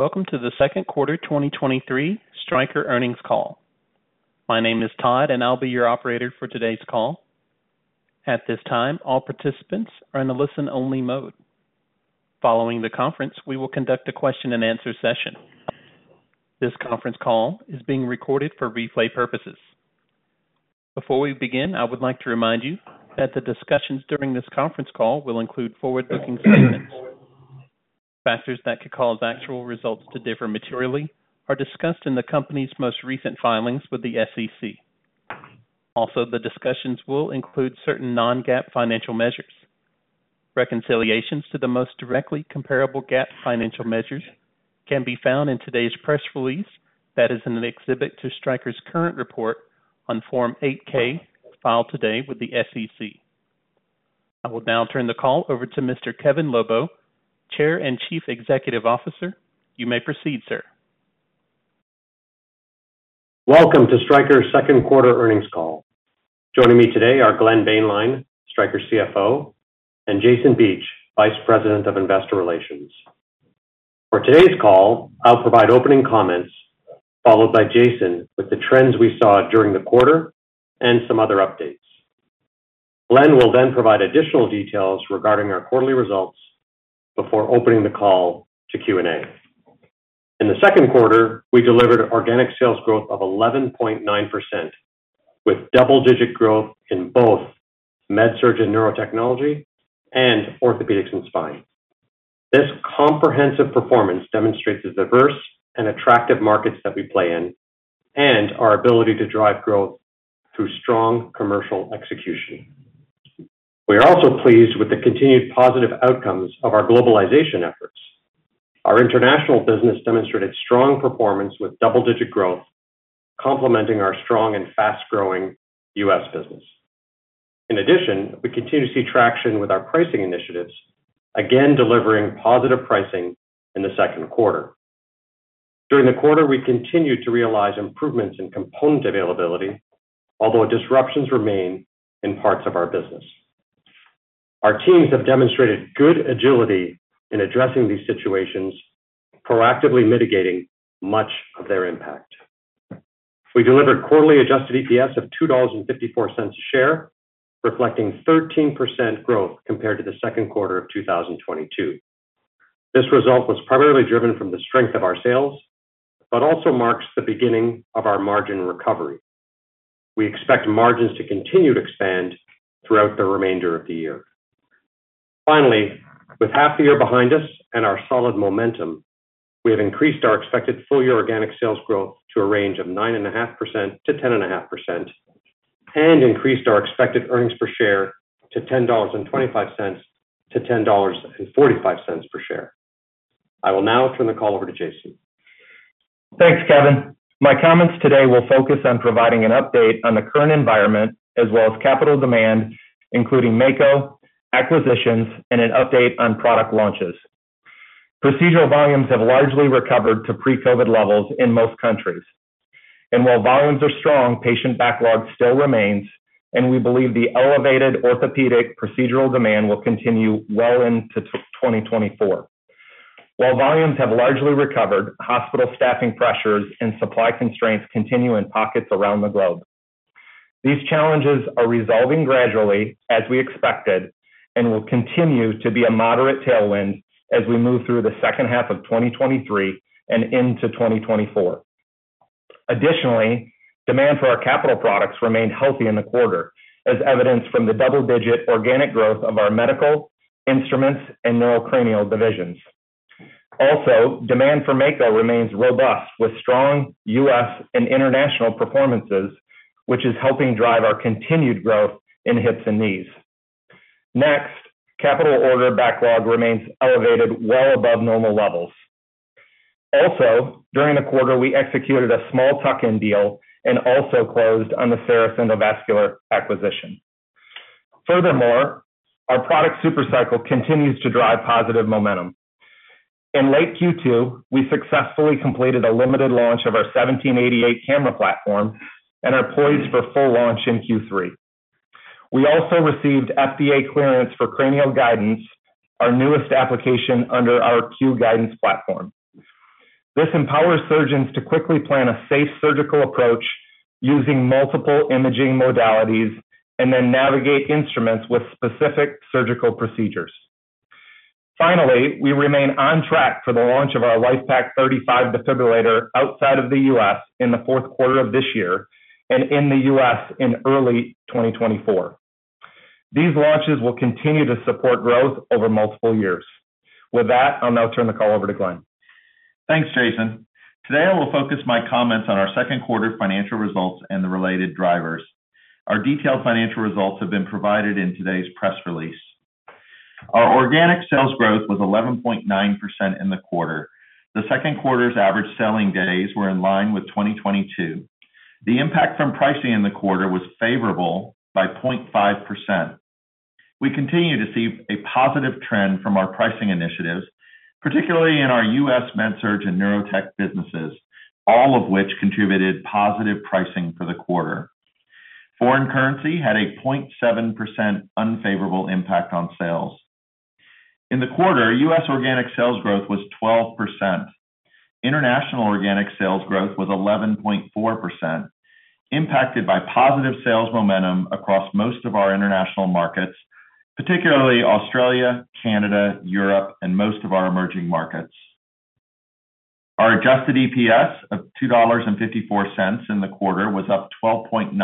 Welcome to the second quarter 2023 Stryker earnings call. My name is Todd, and I'll be your operator for today's call. At this time, all participants are in a listen-only mode. Following the conference, we will conduct a question-and-answer session. This conference call is being recorded for replay purposes. Before we begin, I would like to remind you that the discussions during this conference call will include forward-looking statements. Factors that could cause actual results to differ materially are discussed in the company's most recent filings with the SEC. Also, the discussions will include certain non-GAAP financial measures. Reconciliations to the most directly comparable GAAP financial measures can be found in today's press release that is in the exhibit to Stryker's current report on Form 8-K, filed today with the SEC. I will now turn the call over to Mr. Kevin Lobo, Chair and Chief Executive Officer. You may proceed, sir. Welcome to Stryker's second quarter earnings call. Joining me today are Glenn Boehnlein, Stryker CFO, and Jason Beach, Vice President of Investor Relations. For today's call, I'll provide opening comments, followed by Jason with the trends we saw during the quarter and some other updates. Glenn will provide additional details regarding our quarterly results before opening the call to Q&A. In the second quarter, we delivered organic sales growth of 11.9%, with double-digit growth in both MedSurg and Neurotechnology and Orthopaedics and Spine. This comprehensive performance demonstrates the diverse and attractive markets that we play in and our ability to drive growth through strong commercial execution. We are also pleased with the continued positive outcomes of our globalization efforts. Our international business demonstrated strong performance with double-digit growth, complementing our strong and fast-growing U.S. business. In addition, we continue to see traction with our pricing initiatives, again delivering positive pricing in the second quarter. During the quarter, we continued to realize improvements in component availability, although disruptions remain in parts of our business. Our teams have demonstrated good agility in addressing these situations, proactively mitigating much of their impact. We delivered quarterly adjusted EPS of $2.54 a share, reflecting 13% growth compared to the second quarter of 2022. This result was primarily driven from the strength of our sales but also marks the beginning of our margin recovery. We expect margins to continue to expand throughout the remainder of the year. Finally, with half the year behind us and our solid momentum, we have increased our expected full-year organic sales growth to a range of 9.5%-10.5%, and increased our expected earnings per share to $10.25-$10.45 per share. I will now turn the call over to Jason. Thanks, Kevin. My comments today will focus on providing an update on the current environment as well as capital demand, including Mako, acquisitions, and an update on product launches. Procedural volumes have largely recovered to pre-COVID levels in most countries, and while volumes are strong, patient backlog still remains, and we believe the elevated orthopedic procedural demand will continue well into 2024. While volumes have largely recovered, hospital staffing pressures and supply constraints continue in pockets around the globe. These challenges are resolving gradually, as we expected, and will continue to be a moderate tailwind as we move through the second half of 2023 and into 2024. Additionally, demand for our capital products remained healthy in the quarter, as evidenced from the double-digit organic growth of our Medical, Instruments, and Neurocranial divisions. Also, demand for Mako remains robust, with strong U.S. and international performances, which is helping drive our continued growth in hips and knees. Next, capital order backlog remains elevated well above normal levels. Also, during the quarter, we executed a small tuck-in deal and also closed on the Cerus Endovascular acquisition. Furthermore, our product super cycle continues to drive positive momentum. In late Q2, we successfully completed a limited launch of our 1788 camera platform and are poised for full launch in Q3. We also received FDA clearance for cranial guidance, our newest application under our Q guidance platform. This empowers surgeons to quickly plan a safe surgical approach using multiple imaging modalities and then navigate instruments with specific surgical procedures. Finally, we remain on track for the launch of our LIFEPAK 35 defibrillator outside of the U.S. in the fourth quarter of this year and in the U.S. in early 2024. These launches will continue to support growth over multiple years. With that, I'll now turn the call over to Glenn. Thanks, Jason. Today, I will focus my comments on our second quarter financial results and the related drivers. Our detailed financial results have been provided in today's press release. Our organic sales growth was 11.9% in the quarter. The second quarter's average selling days were in line with 2022. The impact from pricing in the quarter was favorable by 0.5%. We continue to see a positive trend from our pricing initiatives, particularly in our U.S. MedSurg and Neurotech businesses, all of which contributed positive pricing for the quarter. Foreign currency had a 0.7% unfavorable impact on sales. In the quarter, U.S. organic sales growth was 12%. International organic sales growth was 11.4%, impacted by positive sales momentum across most of our international markets, particularly Australia, Canada, Europe, and most of our emerging markets. Our adjusted EPS of $2.54 in the quarter was up 12.9%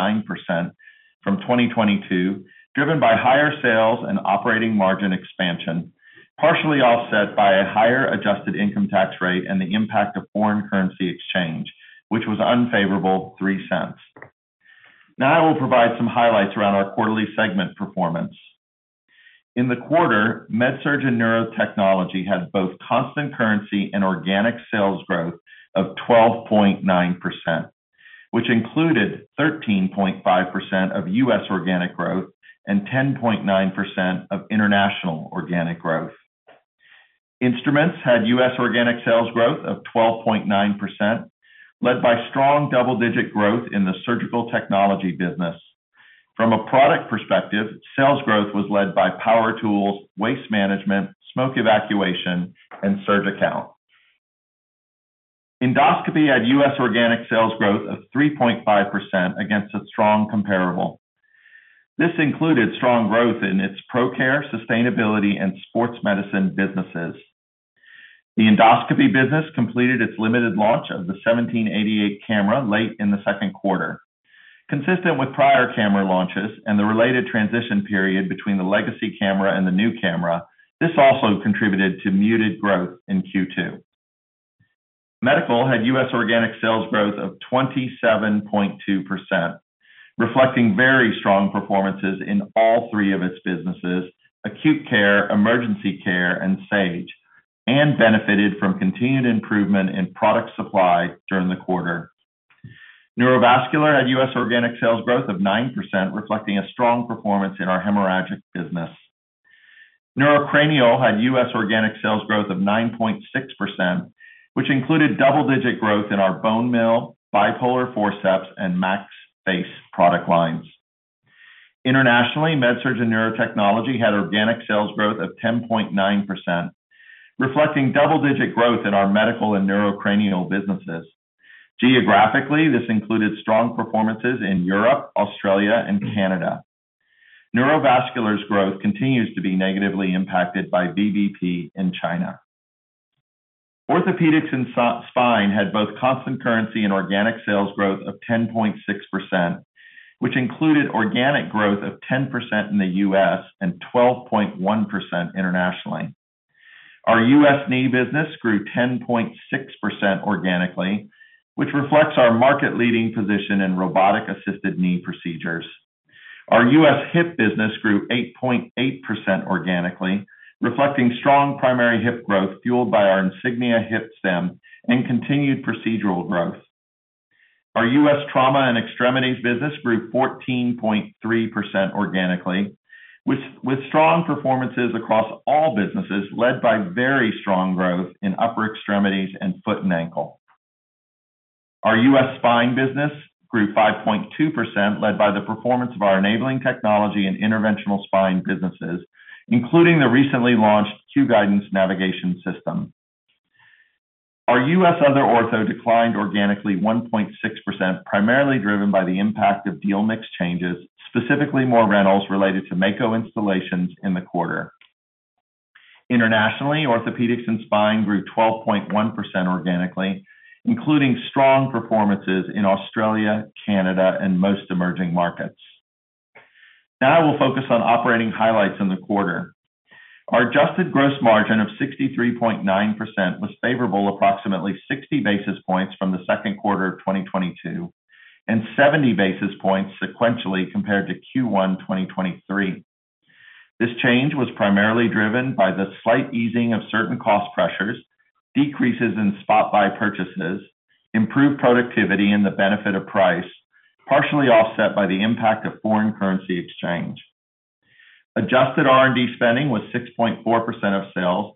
from 2022, driven by higher sales and operating margin expansion, partially offset by a higher adjusted income tax rate and the impact of foreign currency exchange, which was unfavorable $0.03. Now I will provide some highlights around our quarterly segment performance. In the quarter, MedSurg and Neurotechnology had both constant currency and organic sales growth of 12.9%, which included 13.5% of U.S. organic growth and 10.9% of international organic growth. Instruments had U.S. organic sales growth of 12.9%, led by strong double-digit growth in the surgical technology business. From a product perspective, sales growth was led by power tools, waste management, smoke evacuation, and SurgiCount. Endoscopy had U.S. organic sales growth of 3.5% against a strong comparable. This included strong growth in its ProCare, Sustainability, and Sports Medicine businesses. The endoscopy business completed its limited launch of the 1788 camera late in the second quarter. Consistent with prior camera launches and the related transition period between the legacy camera and the new camera, this also contributed to muted growth in Q2. Medical had U.S. organic sales growth of 27.2%, reflecting very strong performances in all three of its businesses: acute care, emergency care, and Sage, and benefited from continued improvement in product supply during the quarter. Neurovascular had U.S. organic sales growth of 9%, reflecting a strong performance in our hemorrhagic business. Neurocranial had U.S. organic sales growth of 9.6%, which included double-digit growth in our bone mill, bipolar forceps, and max face product lines. Internationally, MedSurg and Neurotechnology had organic sales growth of 10.9%, reflecting double-digit growth in our Medical and Neurocranial businesses. Geographically, this included strong performances in Europe, Australia, and Canada. Neurovascular's growth continues to be negatively impacted by VBP in China. Orthopaedics and Spine had both constant currency and organic sales growth of 10.6%, which included organic growth of 10% in the U.S. and 12.1% internationally. Our U.S. knee business grew 10.6% organically, which reflects our market-leading position in robotic-assisted knee procedures. Our U.S. hip business grew 8.8% organically, reflecting strong primary hip growth fueled by our Insignia hip stem and continued procedural growth. Our U.S. trauma and extremities business grew 14.3% organically, with strong performances across all businesses, led by very strong growth in upper extremities and foot and ankle. Our U.S. spine business grew 5.2%, led by the performance of our enabling technology and interventional spine businesses, including the recently launched Q Guidance navigation system. Our U.S. other ortho declined organically 1.6%, primarily driven by the impact of deal mix changes, specifically more rentals related to Mako installations in the quarter. Internationally, Orthopaedics and spine grew 12.1% organically, including strong performances in Australia, Canada, and most emerging markets. Now I will focus on operating highlights in the quarter. Our adjusted gross margin of 63.9% was favorable approximately 60 basis points from the second quarter of 2022, and 70 basis points sequentially compared to Q1 2023. This change was primarily driven by the slight easing of certain cost pressures, decreases in spot buy purchases, improved productivity, and the benefit of price, partially offset by the impact of foreign currency exchange. Adjusted R&D spending was 6.4% of sales,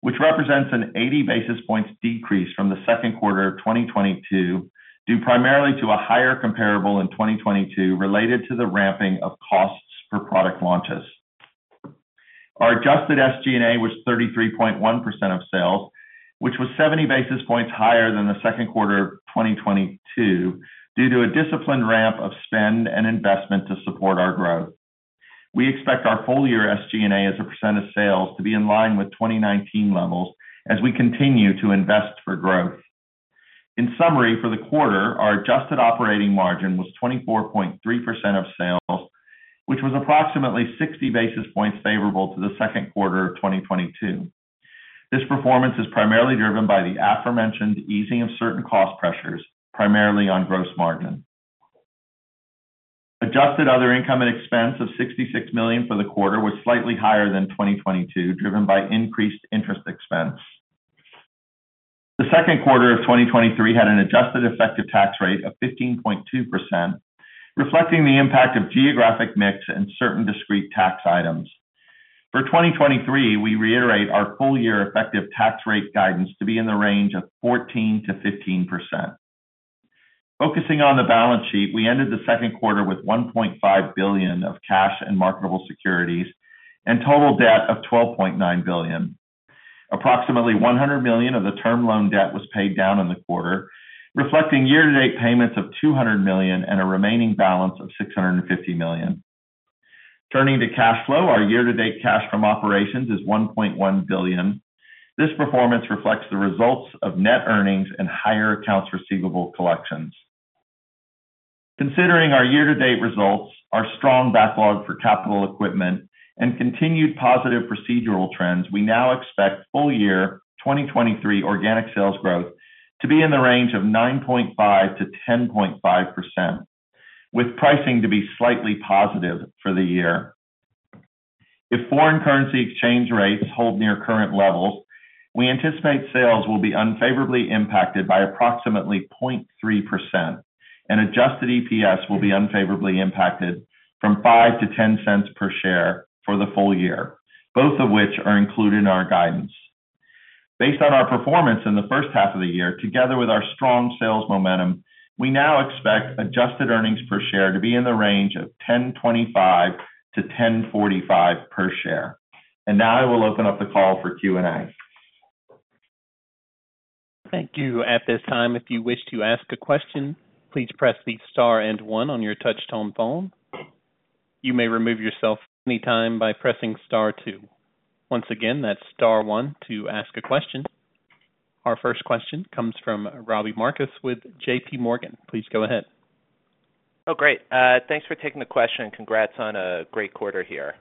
which represents an 80 basis points decrease from Q2 2022, due primarily to a higher comparable in 2022 related to the ramping of costs for product launches. Our adjusted SG&A was 33.1% of sales, which was 70 basis points higher than Q2 2022, due to a disciplined ramp of spend and investment to support our growth. We expect our full-year SG&A as a % of sales to be in line with 2019 levels as we continue to invest for growth. In summary, for the quarter, our adjusted operating margin was 24.3% of sales, which was approximately 60 basis points favorable to Q2 2022. This performance is primarily driven by the aforementioned easing of certain cost pressures, primarily on gross margin. Adjusted other income and expense of $66 million for the quarter was slightly higher than 2022, driven by increased interest expense. The second quarter of 2023 had an adjusted effective tax rate of 15.2%, reflecting the impact of geographic mix and certain discrete tax items. For 2023, we reiterate our full year effective tax rate guidance to be in the range of 14%-15%. Focusing on the balance sheet, we ended the second quarter with $1.5 billion of cash and marketable securities, and total debt of $12.9 billion. Approximately $100 million of the term loan debt was paid down in the quarter, reflecting year-to-date payments of $200 million and a remaining balance of $650 million. Turning to cash flow, our year-to-date cash from operations is $1.1 billion. This performance reflects the results of net earnings and higher accounts receivable collections. Considering our year-to-date results, our strong backlog for capital equipment, and continued positive procedural trends, we now expect full year 2023 organic sales growth to be in the range of 9.5%-10.5%, with pricing to be slightly positive for the year. If foreign currency exchange rates hold near current levels, we anticipate sales will be unfavorably impacted by approximately 0.3%, and adjusted EPS will be unfavorably impacted from $0.05-$0.10 per share for the full year, both of which are included in our guidance. Based on our performance in the first half of the year, together with our strong sales momentum, we now expect adjusted earnings per share to be in the range of $10.25-$10.45 per share. Now I will open up the call for Q&A. Thank you. At this time, if you wish to ask a question, please press the star one on your touchtone phone. You may remove yourself anytime by pressing star two. Once again, that's star one to ask a question. Our first question comes from Robbie Marcus with JPMorgan. Please go ahead. Oh, great. Thanks for taking the question, and congrats on a great quarter here.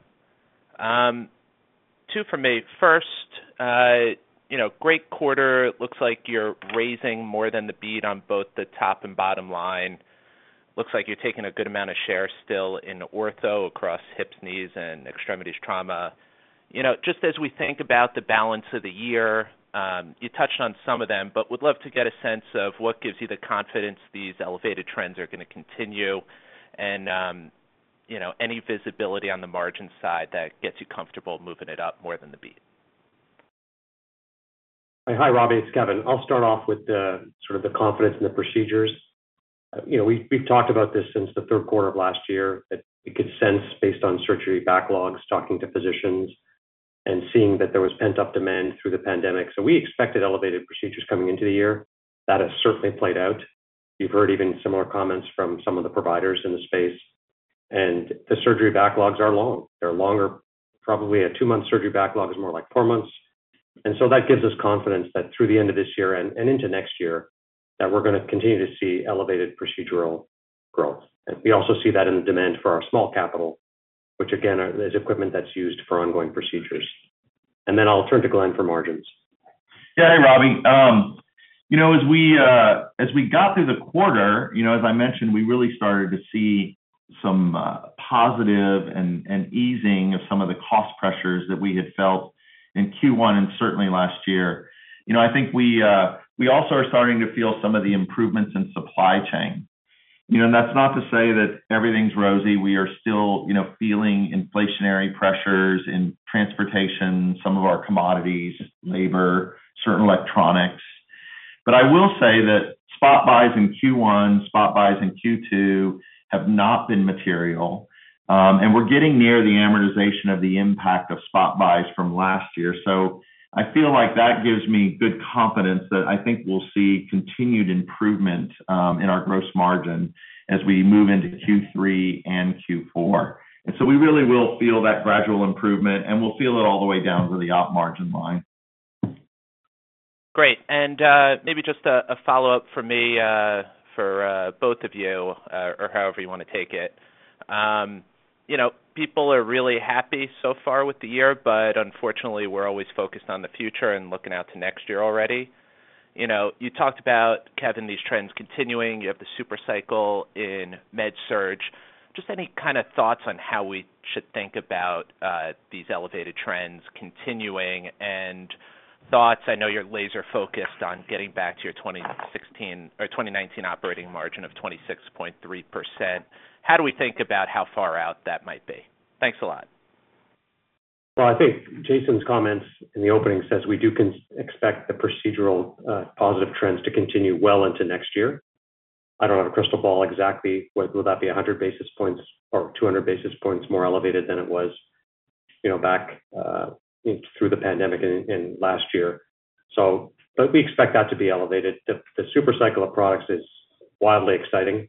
Two for me. First, you know, great quarter. It looks like you're raising more than the beat on both the top and bottom line. Looks like you're taking a good amount of share still in ortho, across hips, knees, and extremities trauma. You know, just as we think about the balance of the year, you touched on some of them, but would love to get a sense of what gives you the confidence these elevated trends are going to continue? You know, any visibility on the margin side that gets you comfortable moving it up more than the beat? Hi, Robbie, it's Kevin. I'll start off with the sort of the confidence in the procedures. You know, we've, we've talked about this since the third quarter of last year, that we could sense, based on surgery backlogs, talking to physicians, and seeing that there was pent-up demand through the pandemic. We expected elevated procedures coming into the year. That has certainly played out. You've heard even similar comments from some of the providers in the space, and the surgery backlogs are long. They're longer. Probably a two-month surgery backlog is more like four months. That gives us confidence that through the end of this year and, and into next year, that we're going to continue to see elevated procedural growth. We also see that in the demand for our small capital, which again, is equipment that's used for ongoing procedures. Then I'll turn to Glenn for margins. Yeah. Hey, Robbie. You know, as we, as we got through the quarter, you know, as I mentioned, we really started to see some positive and easing of some of the cost pressures that we had felt in Q1 and certainly last year. You know, I think we, we also are starting to feel some of the improvements in supply chain. You know, and that's not to say that everything's rosy. We are still, you know, feeling inflationary pressures in transportation, some of our commodities, labor, certain electronics. I will say that spot buys in Q1, spot buys in Q2 have not been material, and we're getting near the amortization of the impact of spot buys from last year. I feel like that gives me good confidence that I think we'll see continued improvement in our gross margin as we move into Q3 and Q4. We really will feel that gradual improvement, and we'll feel it all the way down to the op margin line. Great. Maybe just a follow-up from me for both of you, or however you want to take it. You know, people are really happy so far with the year, but unfortunately, we're always focused on the future and looking out to next year already. You know, you talked about, Kevin, these trends continuing. You have the super cycle in MedSurg. Just any kind of thoughts on how we should think about these elevated trends continuing and thoughts. I know you're laser-focused on getting back to your 2016, or 2019 operating margin of 26.3%. How do we think about how far out that might be? Thanks a lot. Well, I think Jason's comments in the opening says we do expect the procedural positive trends to continue well into next year. I don't have a crystal ball, exactly, whether would that be 100 basis points or 200 basis points more elevated than it was, you know, back through the pandemic in, in last year. But we expect that to be elevated. The super cycle of products is wildly exciting.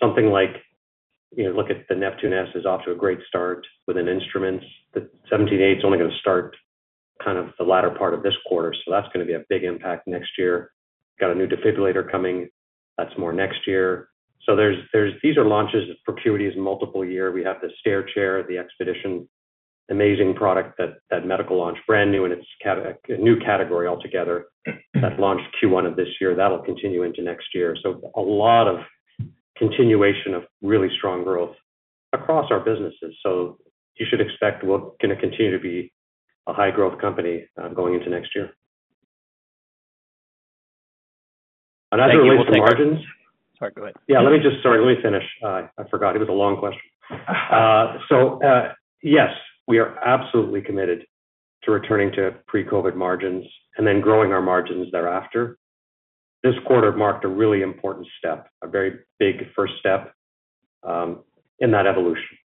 Something like, you know, look at the Neptune S is off to a great start within instruments. The 1788 is only going to start kind of the latter part of this quarter, so that's going to be a big impact next year. Got a new defibrillator coming. That's more next year. These are launches for [QTs], multiple year. We have the stair chair, the Xpedition, amazing product that, that medical launch, brand new, and it's a new category altogether, that launched Q1 of this year. That'll continue into next year. A lot of continuation of really strong growth across our businesses. You should expect we're going to continue to be a high-growth company, going into next year. Sorry, go ahead. Yeah, let me just- sorry, let me finish. I forgot it was a long question. Yes, we are absolutely committed to returning to pre-COVID margins and then growing our margins thereafter. This quarter marked a really important step, a very big first step, in that evolution.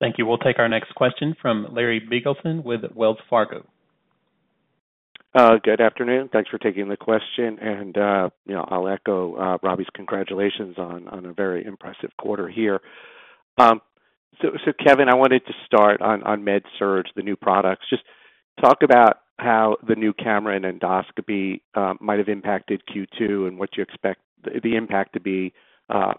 Thank you. We'll take our next question from Larry Biegelsen with Wells Fargo. Good afternoon. Thanks for taking the question, and, you know, I'll echo Robbie's congratulations on, on a very impressive quarter here. So, Kevin, I wanted to start on, on MedSurg, the new products. Just talk about how the new camera and endoscopy might have impacted Q2 and what you expect the, the impact to be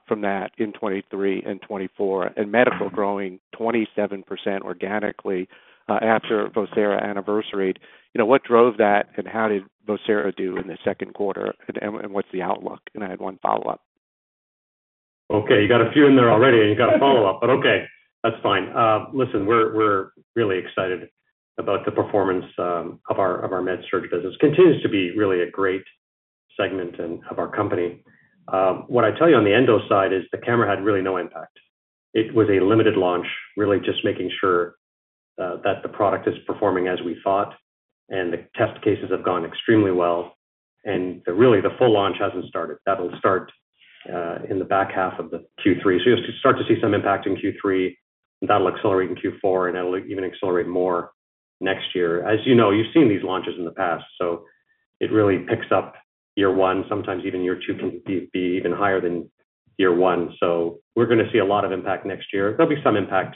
from that in 2023 and 2024. Medical growing 27% organically after Vocera anniversaried. You know, what drove that, and how did Vocera do in the second quarter, and what's the outlook? I had one follow-up. Okay, you got a few in there already, and you got a follow-up, but okay. That's fine. Listen, we're, we're really excited about the performance of our, of our MedSurg business. Continues to be really a great segment in... of our company. What I'd tell you on the endo side is the camera had really no impact. It was a limited launch, really just making sure that the product is performing as we thought, and the test cases have gone extremely well, and really, the full launch hasn't started. That'll start in the back half of the Q3. You'll start to see some impact in Q3, that'll accelerate in Q4, and that'll even accelerate more next year. As you know, you've seen these launches in the past, it really picks up year one, sometimes even year two can be even higher than year one. We're going to see a lot of impact next year. There'll be some impact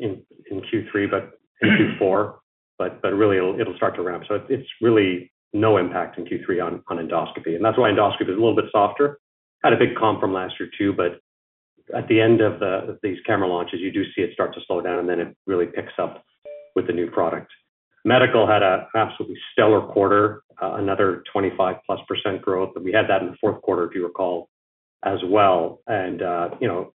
in Q3, but in Q4, but really it'll start to ramp. It's really no impact in Q3 on endoscopy, and that's why endoscopy is a little bit softer. Had a big comp from last year, too, but at the end of these camera launches, you do see it start to slow down, and then it really picks up with the new product. Medical had a absolutely stellar quarter, another 25%+ growth, we had that in the fourth quarter, if you recall, as well. You know,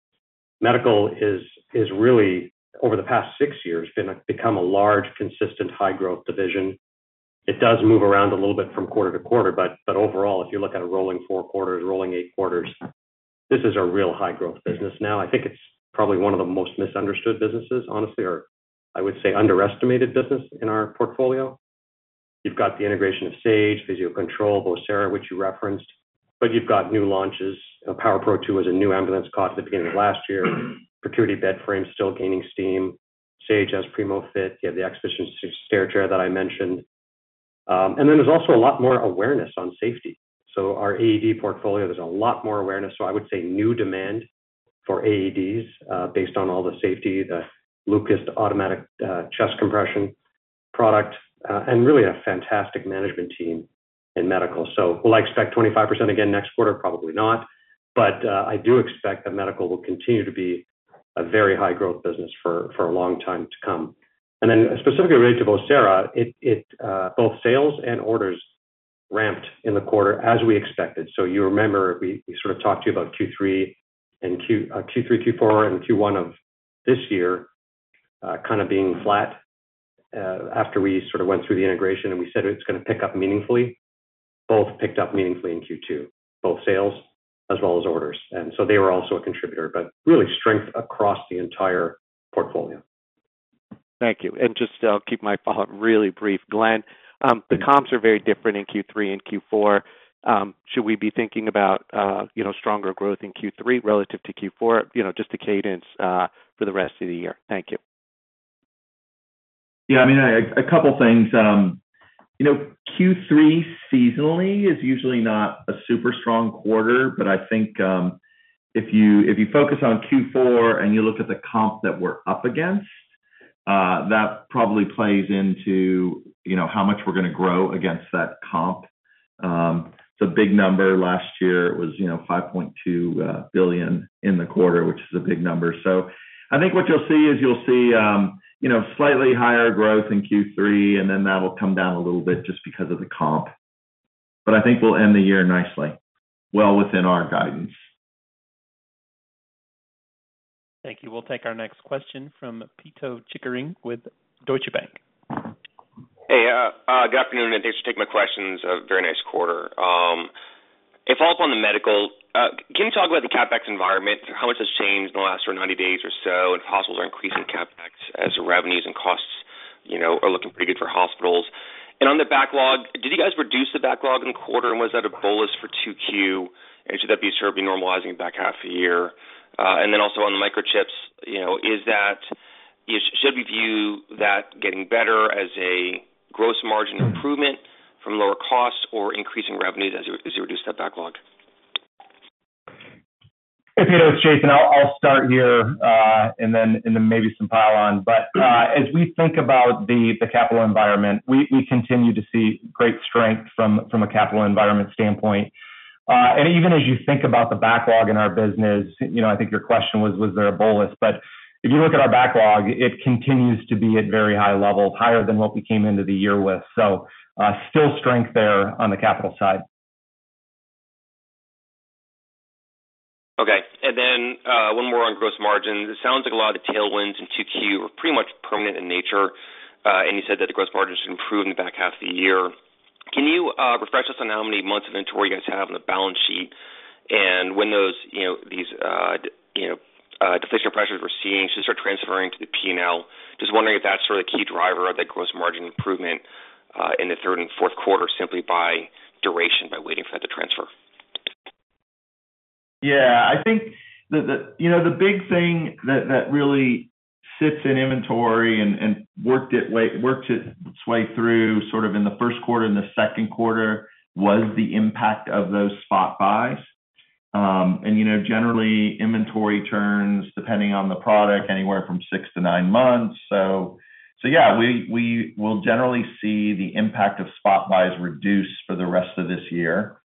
medical is, is really, over the past six years, gonna become a large, consistent, high-growth division. It does move around a little bit from quarter to quarter, but, but overall, if you look at a rolling four quarters, rolling eight quarters, this is a real high-growth business. Now, I think it's probably one of the most misunderstood businesses, honestly, or I would say, underestimated business in our portfolio. You've got the integration of Sage, Physio-Control, Vocera, which you referenced, but you've got new launches. Power-PRO 2 was a new ambulance cot at the beginning of last year. Percutaneous bed frame still gaining steam. Sage S Primo Fit. You have the Xpedition stair chair that I mentioned. Then there's also a lot more awareness on safety. So our AED portfolio, there's a lot more awareness. I would say new demand for AEDs, based on all the safety, the LUCAS automatic chest compression product, and really a fantastic management team in medical. Will I expect 25% again next quarter? Probably not. I do expect that medical will continue to be a very high-growth business for, for a long time to come. Then specifically related to Vocera, it, it, both sales and orders ramped in the quarter as we expected. You remember, we, we sort of talked to you about Q3, Q4, and Q1 of this year, kind of being flat, after we sort of went through the integration and we said it's going to pick up meaningfully, both picked up meaningfully in Q2, both sales as well as orders, and so they were also a contributor, but really strength across the entire portfolio. Thank you. Just, I'll keep my follow-up really brief. Glenn, the comps are very different in Q3 and Q4. Should we be thinking about, you know, stronger growth in Q3 relative to Q4? You know, just the cadence for the rest of the year. Thank you. Yeah, I mean, a couple things. You know, Q3 seasonally is usually not a super strong quarter, but I think, if you, if you focus on Q4 and you look at the comp that we're up against, that probably plays into, you know, how much we're going to grow against that comp. The big number last year was, you know, $5.2 billion in the quarter, which is a big number. I think what you'll see is, you'll see, you know, slightly higher growth in Q3. Then that'll come down a little bit just because of the comp. I think we'll end the year nicely, well within our guidance. Thank you. We'll take our next question from Pito Chickering with Deutsche Bank. Hey, good afternoon, thanks for taking my questions. A very nice quarter. If I was on the medical, can you talk about the CapEx environment? How much has changed in the last 90 days or so, hospitals are increasing CapEx as revenues and costs, you know, are looking pretty good for hospitals. On the backlog, did you guys reduce the backlog in quarter, was that a bolus for 2Q, should that be sort of be normalizing back half a year? Also on the microchips, you know, should we view that getting better as a gross margin improvement from lower costs or increasing revenues as you, as you reduce that backlog? Hey, Pito, it's Jason. I'll, I'll start here, and then, and then maybe some pile on. As we think about the, the capital environment, we, we continue to see great strength from, from a capital environment standpoint. Even as you think about the backlog in our business, you know, I think your question was, was there a bolus? If you look at our backlog, it continues to be at very high levels, higher than what we came into the year with. Still strength there on the capital side. Okay, then, one more on gross margins. It sounds like a lot of the tailwinds in Q2 are pretty much permanent in nature. You said that the gross margins should improve in the back half of the year. Can you refresh us on how many months inventory you guys have on the balance sheet, and when those, you know, these, you know, deflation pressures we're seeing should start transferring to the P&L? Just wondering if that's sort of the key driver of that gross margin improvement in the third and fourth quarter, simply by duration, by waiting for that to transfer? Yeah, I think the, the, you know, the big thing that, that really sits in inventory and, and worked its way, worked its way through, sort of in the first quarter and the second quarter, was the impact of those spot buys. And, you know, generally, inventory turns, depending on the product, anywhere from six to nine months. So yeah, we, we will generally see the impact of spot buys reduce for the rest of this year.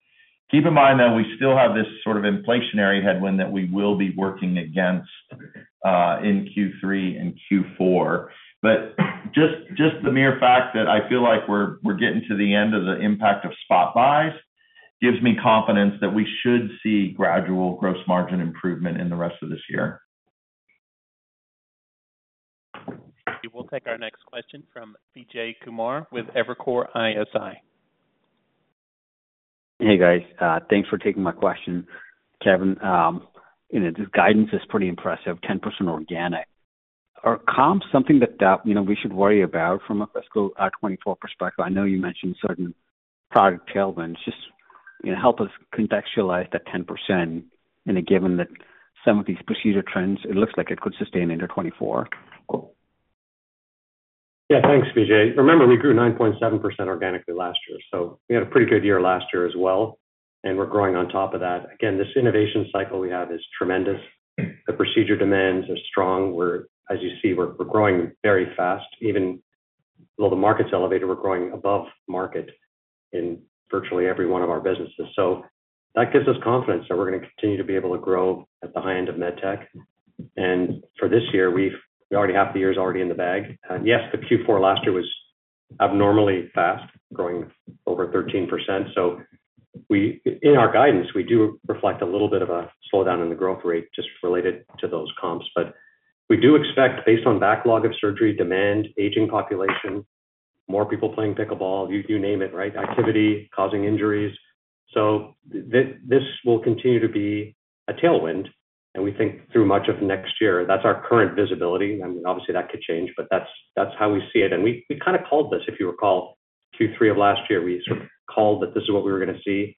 Keep in mind, though, we still have this sort of inflationary headwind that we will be working against in Q3 and Q4. Just, just the mere fact that I feel like we're, we're getting to the end of the impact of spot buys, gives me confidence that we should see gradual gross margin improvement in the rest of this year. We'll take our next question from Vijay Kumar with Evercore ISI. Hey, guys. Thanks for taking my question. Kevin, you know, this guidance is pretty impressive, 10% organic. Are comps something that, you know, we should worry about from a fiscal 2024 perspective? I know you mentioned certain product tailwinds, just, you know, help us contextualize that 10%, and given that some of these procedure trends, it looks like it could sustain into 2024. Yeah, thanks, Vijay. Remember, we grew 9.7% organically last year, so we had a pretty good year last year as well, and we're growing on top of that. This innovation cycle we have is tremendous. The procedure demands are strong. As you see, we're growing very fast. Even though the market's elevated, we're growing above market in virtually every one of our businesses. That gives us confidence that we're gonna continue to be able to grow at the high end of med tech. For this year, already half the year is already in the bag. Yes, the Q4 last year was abnormally fast, growing over 13%. In our guidance, we do reflect a little bit of a slowdown in the growth rate just related to those comps. We do expect, based on backlog of surgery, demand, aging population, more people playing pickleball, you, you name it, right? Activity causing injuries. This will continue to be a tailwind, and we think through much of next year. That's our current visibility, and obviously, that could change, but that's, that's how we see it. We, we kind of called this, if you recall, Q3 of last year, we sort of called that this is what we were gonna see.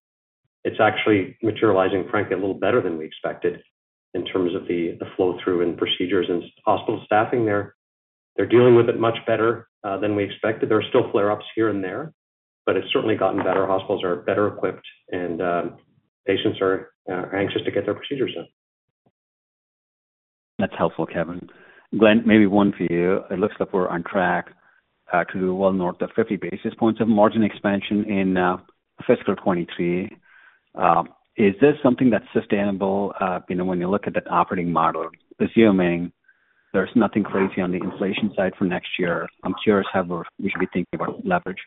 It's actually materializing, frankly, a little better than we expected in terms of the, the flow-through in procedures and hospital staffing. They're, they're dealing with it much better than we expected. There are still flare-ups here and there, but it's certainly gotten better. Hospitals are better equipped, and patients are anxious to get their procedures done. That's helpful, Kevin. Glenn, maybe one for you. It looks like we're on track to well north of 50 basis points of margin expansion in fiscal 2023. Is this something that's sustainable, you know, when you look at the operating model, assuming there's nothing crazy on the inflation side for next year, I'm curious how we, we should be thinking about leverage?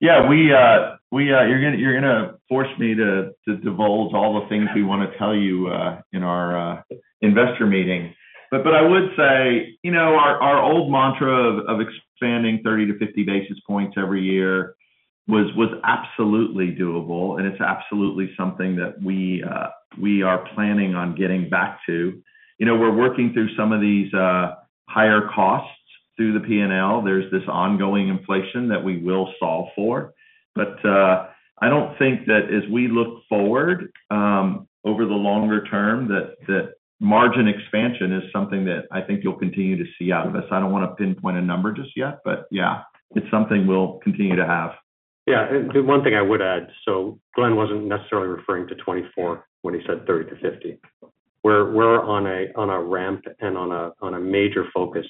Yeah, we, we, you're gonna, you're gonna force me to, to divulge all the things we wanna tell you in our investor meeting. I would say, you know, our, our old mantra of, of expanding 30-50 basis points every year was, was absolutely doable, and it's absolutely something that we, we are planning on getting back to. You know, we're working through some of these higher costs through the P&L. There's this ongoing inflation that we will solve for. I don't think that as we look forward, over the longer term, that, that margin expansion is something that I think you'll continue to see out of us. I don't want to pinpoint a number just yet, but yeah, it's something we'll continue to have. The one thing I would add, Glenn wasn't necessarily referring to 2024 when he said 30-50. We're, we're on a, on a ramp and on a, on a major focus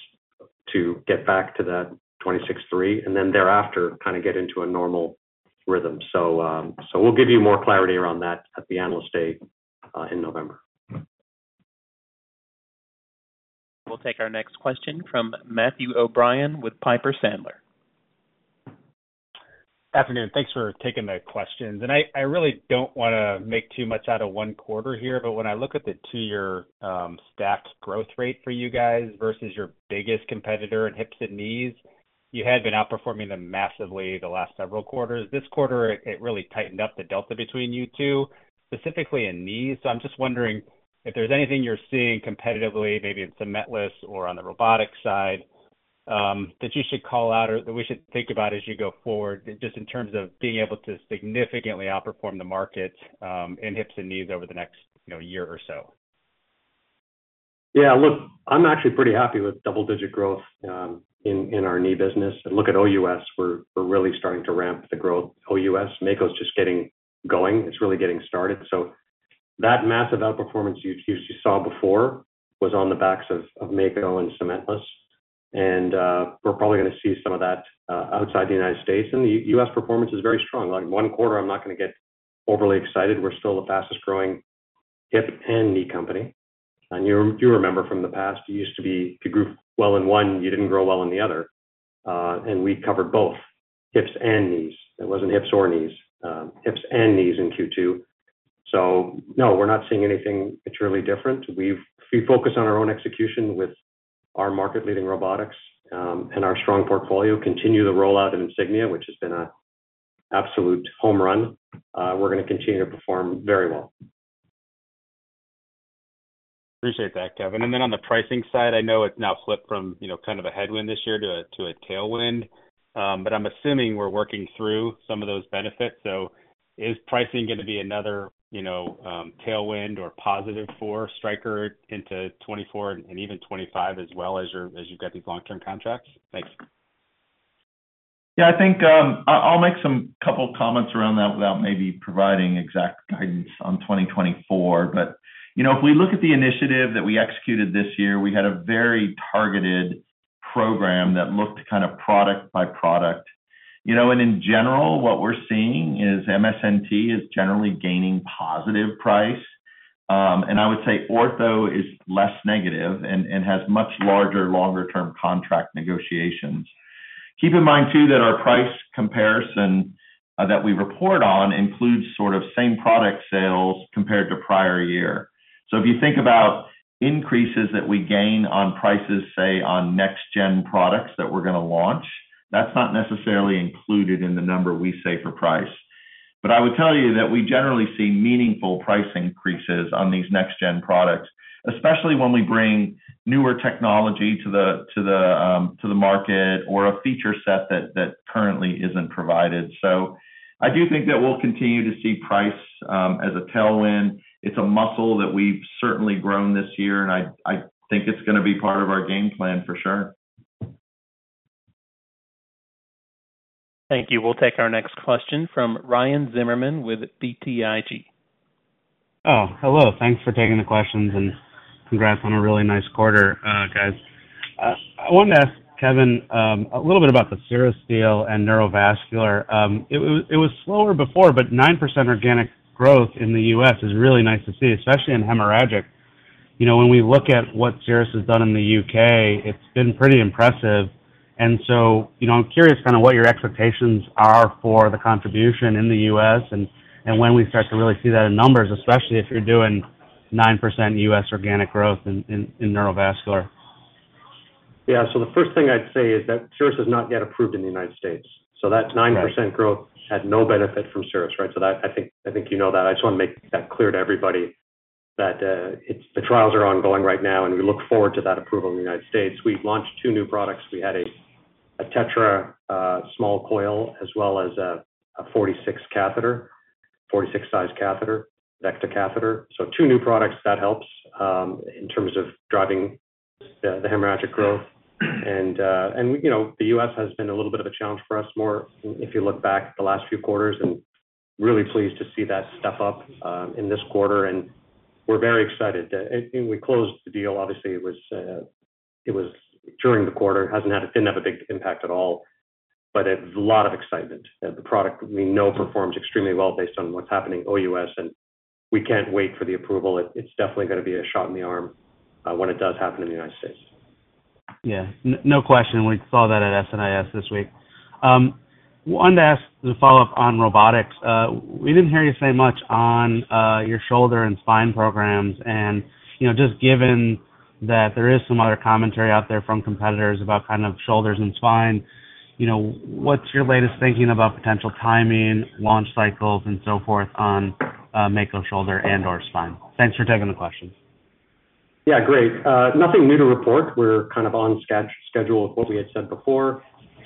to get back to that 26.3, and then thereafter, kind of get into a normal rhythm. We'll give you more clarity around that at the Analyst Day in November. We'll take our next question from Matthew O'Brien with Piper Sandler. Afternoon. Thanks for taking the questions. I, I really don't wanna make too much out of one quarter here, but when I look at the two-year stacked growth rate for you guys versus your biggest competitor in hips and knees, you had been outperforming them massively the last several quarters. This quarter, it, it really tightened up the delta between you two, specifically in knees. I'm just wondering if there's anything you're seeing competitively, maybe in cementless or on the robotics side that you should call out or that we should think about as you go forward, just in terms of being able to significantly outperform the market in hips and knees over the next, you know, year or so? Yeah, look, I'm actually pretty happy with double-digit growth, in, in our knee business. Look at OUS, we're, we're really starting to ramp the growth. OUS, Mako's just getting going. It's really getting started. That massive outperformance you, you saw before was on the backs of, of Mako and cementless. We're probably gonna see some of that, outside the United States, and the U.S. performance is very strong. Like, one quarter, I'm not gonna get overly excited. We're still the fastest growing hip and knee company. You, you remember from the past, it used to be if you grew well in one, you didn't grow well in the other. We've covered both hips and knees. It wasn't hips or knees, hips and knees in Q2. No, we're not seeing anything materially different. We've if we focus on our own execution with our market-leading robotics, and our strong portfolio, continue the rollout of Insignia, which has been a absolute home run, we're gonna continue to perform very well. Appreciate that, Kevin. Then on the pricing side, I know it's now flipped from, you know, kind of a headwind this year to a, to a tailwind. But I'm assuming we're working through some of those benefits. So is pricing gonna be another, you know, tailwind or positive for Stryker into 2024 and even 2025, as well, as you're, as you've got these long-term contracts? Thanks. Yeah, I think, I, I'll make some couple comments around that without maybe providing exact guidance on 2024. You know, if we look at the initiative that we executed this year, we had a very targeted program that looked kind of product by product. You know, and in general, what we're seeing is MedSurg is generally gaining positive price. I would say Ortho is less negative and, and has much larger, longer term contract negotiations. Keep in mind too, that our price comparison, that we report on includes sort of same-product sales compared to prior year. If you think about increases that we gain on prices, say, on next gen products that we're gonna launch, that's not necessarily included in the number we say for price. I would tell you that we generally see meaningful price increases on these next gen products, especially when we bring newer technology to the, to the, to the market, or a feature set that, that currently isn't provided. I do think that we'll continue to see price as a tailwind. It's a muscle that we've certainly grown this year, and I, I think it's gonna be part of our game plan for sure. Thank you. We'll take our next question from Ryan Zimmerman with BTIG. Oh, hello. Thanks for taking the questions, and congrats on a really nice quarter, guys. I wanted to ask Kevin a little bit about the Cerus deal and Neurovascular. It was slower before, but 9% organic growth in the U.S. is really nice to see, especially in hemorrhagic. You know, when we look at what Cerus has done in the U.K., it's been pretty impressive. So, you know, I'm curious kind of what your expectations are for the contribution in the U.S. and when we start to really see that in numbers, especially if you're doing 9% U.S. organic growth in Neurovascular. Yeah. The first thing I'd say is that Cerus is not yet approved in the United States. Right. That 9% growth had no benefit from Cerus, right? That, I think, I think you know that. I just want to make that clear to everybody that, it's. The trials are ongoing right now. We look forward to that approval in the United States. We've launched two new products. We had a TETRA small coil, as well as a 46 size catheter, Vecta catheter. Two new products, that helps in terms of driving the hemorrhagic growth. You know, the U.S. has been a little bit of a challenge for us more if you look back at the last few quarters. Really pleased to see that step up in this quarter. We're very excited. We closed the deal. Obviously, it was during the quarter. It hasn't had a, didn't have a big impact at all, but a lot of excitement. The product we know performs extremely well based on what's happening OUS, and we can't wait for the approval. It's definitely gonna be a shot in the arm when it does happen in the United States. Yeah, no question. We saw that at SNIS this week. wanted to ask as a follow-up on robotics. we didn't hear you say much on your shoulder and spine programs. you know, just given that there is some other commentary out there from competitors about kind of shoulders and spine, you know, what's your latest thinking about potential timing, launch cycles, and so forth on Mako shoulder and/or spine? Thanks for taking the questions? Yeah, great. Nothing new to report. We're kind of on schedule with what we had said before,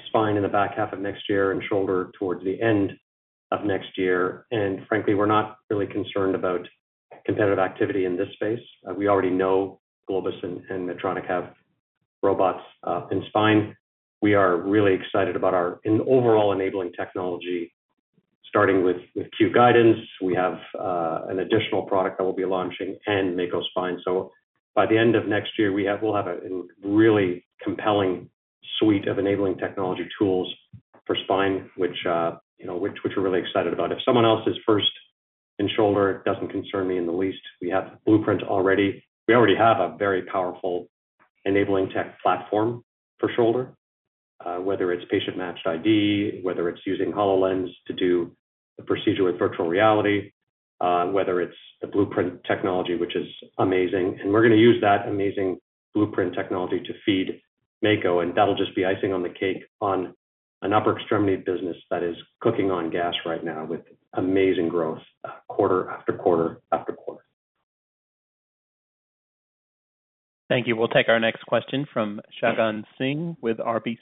spine in the back half of next year and shoulder towards the end of next year. Frankly, we're not really concerned about competitive activity in this space. We already know Globus and, and Medtronic have robots in spine. We are really excited about our, in overall enabling technology, starting with, with Q guidance. We have an additional product that we'll be launching and Mako spine. By the end of next year, we'll have a really compelling suite of enabling technology tools for spine, which, you know, which, which we're really excited about. If someone else is first in shoulder, it doesn't concern me in the least. We have Blueprint already. We already have a very powerful enabling tech platform for shoulder, whether it's patient-matched ID, whether it's using HoloLens to do the procedure with virtual reality, whether it's the Blueprint technology, which is amazing. We're gonna use that amazing Blueprint technology to feed Mako, and that'll just be icing on the cake on an upper extremity business that is cooking on gas right now with amazing growth, quarter after quarter after quarter. Thank you. We'll take our next question from Shagun Singh with RBC.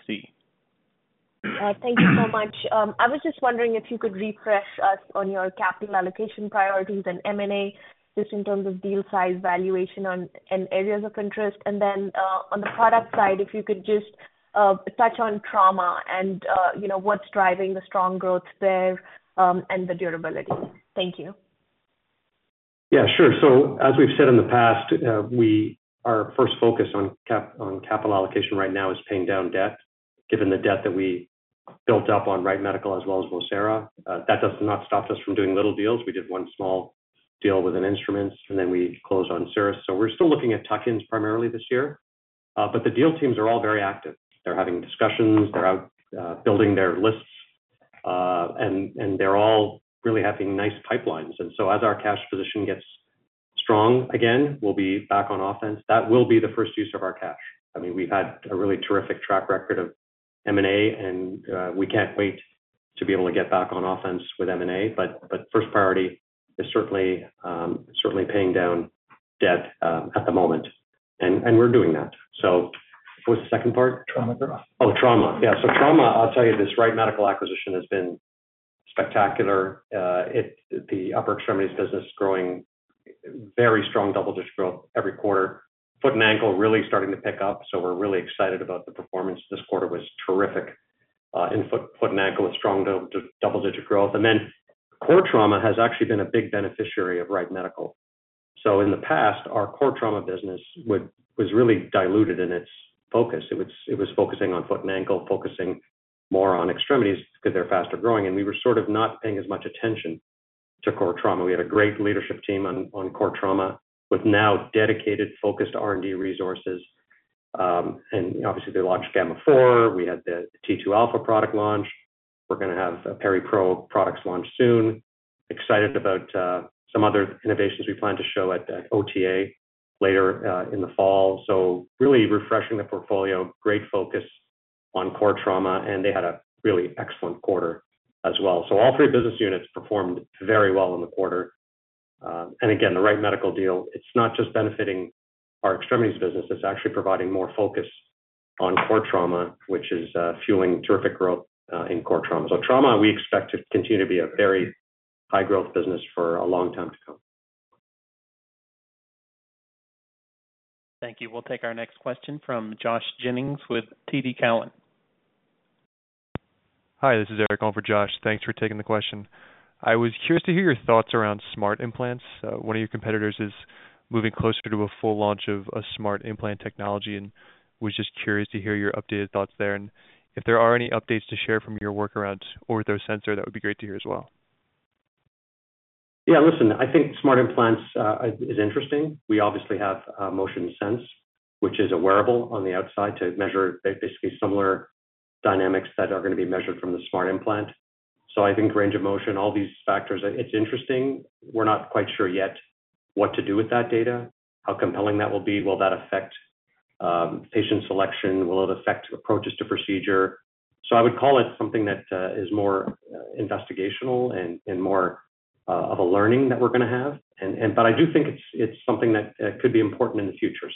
Thank you so much. I was just wondering if you could refresh us on your capital allocation priorities and M&A, just in terms of deal size, valuation on, and areas of interest. And then, on the product side, if you could just, touch on trauma and, you know, what's driving the strong growth there, and the durability? Thank you. Yeah, sure. As we've said in the past, our first focus on cap, on capital allocation right now is paying down debt, given the debt that we built up on Wright Medical as well as Vocera. That does not stop us from doing little deals. We did one small deal with an instruments, and then we closed on Cerus. We're still looking at tuck-ins primarily this year. The deal teams are all very active. They're having discussions, they're out, building their lists, and, and they're all really having nice pipelines. As our cash position gets strong again, we'll be back on offense. That will be the first use of our cash. I mean, we've had a really terrific track record of M&A, and, we can't wait to be able to get back on offense with M&A. But first priority is certainly, certainly paying down debt, at the moment, and, and we're doing that. What was the second part? Trauma growth. Oh, trauma. Yeah, trauma, I'll tell you, this Wright Medical acquisition has been spectacular. The upper extremities business is growing, very strong double-digit growth every quarter. Foot and ankle really starting to pick up. We're really excited about the performance. This quarter was terrific in foot and ankle with strong double-digit growth. Core trauma has actually been a big beneficiary of Wright Medical. In the past, our core trauma business was really diluted in its focus. It was focusing on foot and ankle, focusing more on extremities because they're faster growing, and we were sort of not paying as much attention to core trauma. We had a great leadership team on core trauma with now dedicated, focused R&D resources. Obviously, they launched Gamma4. We had the T2 Alpha product launch. We're going to have PeriPRO products launch soon. Excited about some other innovations we plan to show at the OTA later in the fall. Really refreshing the portfolio, great focus on core trauma, and they had a really excellent quarter as well. All three business units performed very well in the quarter. And again, the Wright Medical deal, it's not just benefiting our extremities business, it's actually providing more focus on core trauma, which is fueling terrific growth in core trauma. Trauma, we expect to continue to be a very high-growth business for a long time to come. Thank you. We'll take our next question from Josh Jennings with TD Cowen. Hi, this is Eric calling for Josh. Thanks for taking the question. I was curious to hear your thoughts around smart implants. One of your competitors is moving closer to a full launch of a smart implant technology and was just curious to hear your updated thoughts there, and if there are any updates to share from your work around OrthoSensor, that would be great to hear as well. Yeah, listen, I think smart implants is, is interesting. We obviously have MotionSense, which is a wearable on the outside to measure basically similar dynamics that are going to be measured from the smart implant. I think range of motion, all these factors, it's interesting. We're not quite sure yet what to do with that data, how compelling that will be. Will that affect patient selection? Will it affect approaches to procedure? I would call it something that is more investigational and, and more of a learning that we're going to have. I do think it's, it's something that could be important in the future.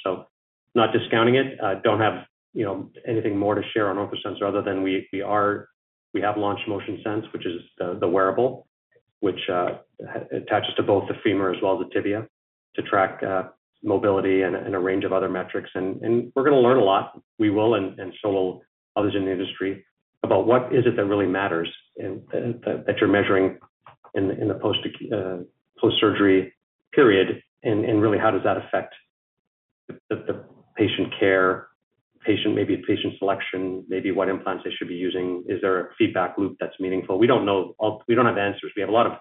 Not discounting it, don't have, you know, anything more to share on OrthoSensor other than we have launched MotionSense, which is the wearable, which attaches to both the femur as well as the tibia to track mobility and a range of other metrics. We're going to learn a lot. We will, and so will others in the industry, about what is it that really matters and that you're measuring in the post-surgery period, and really, how does that affect the patient care, patient, maybe patient selection, maybe what implants they should be using? Is there a feedback loop that's meaningful? We don't know all. We don't have answers. We have a lot of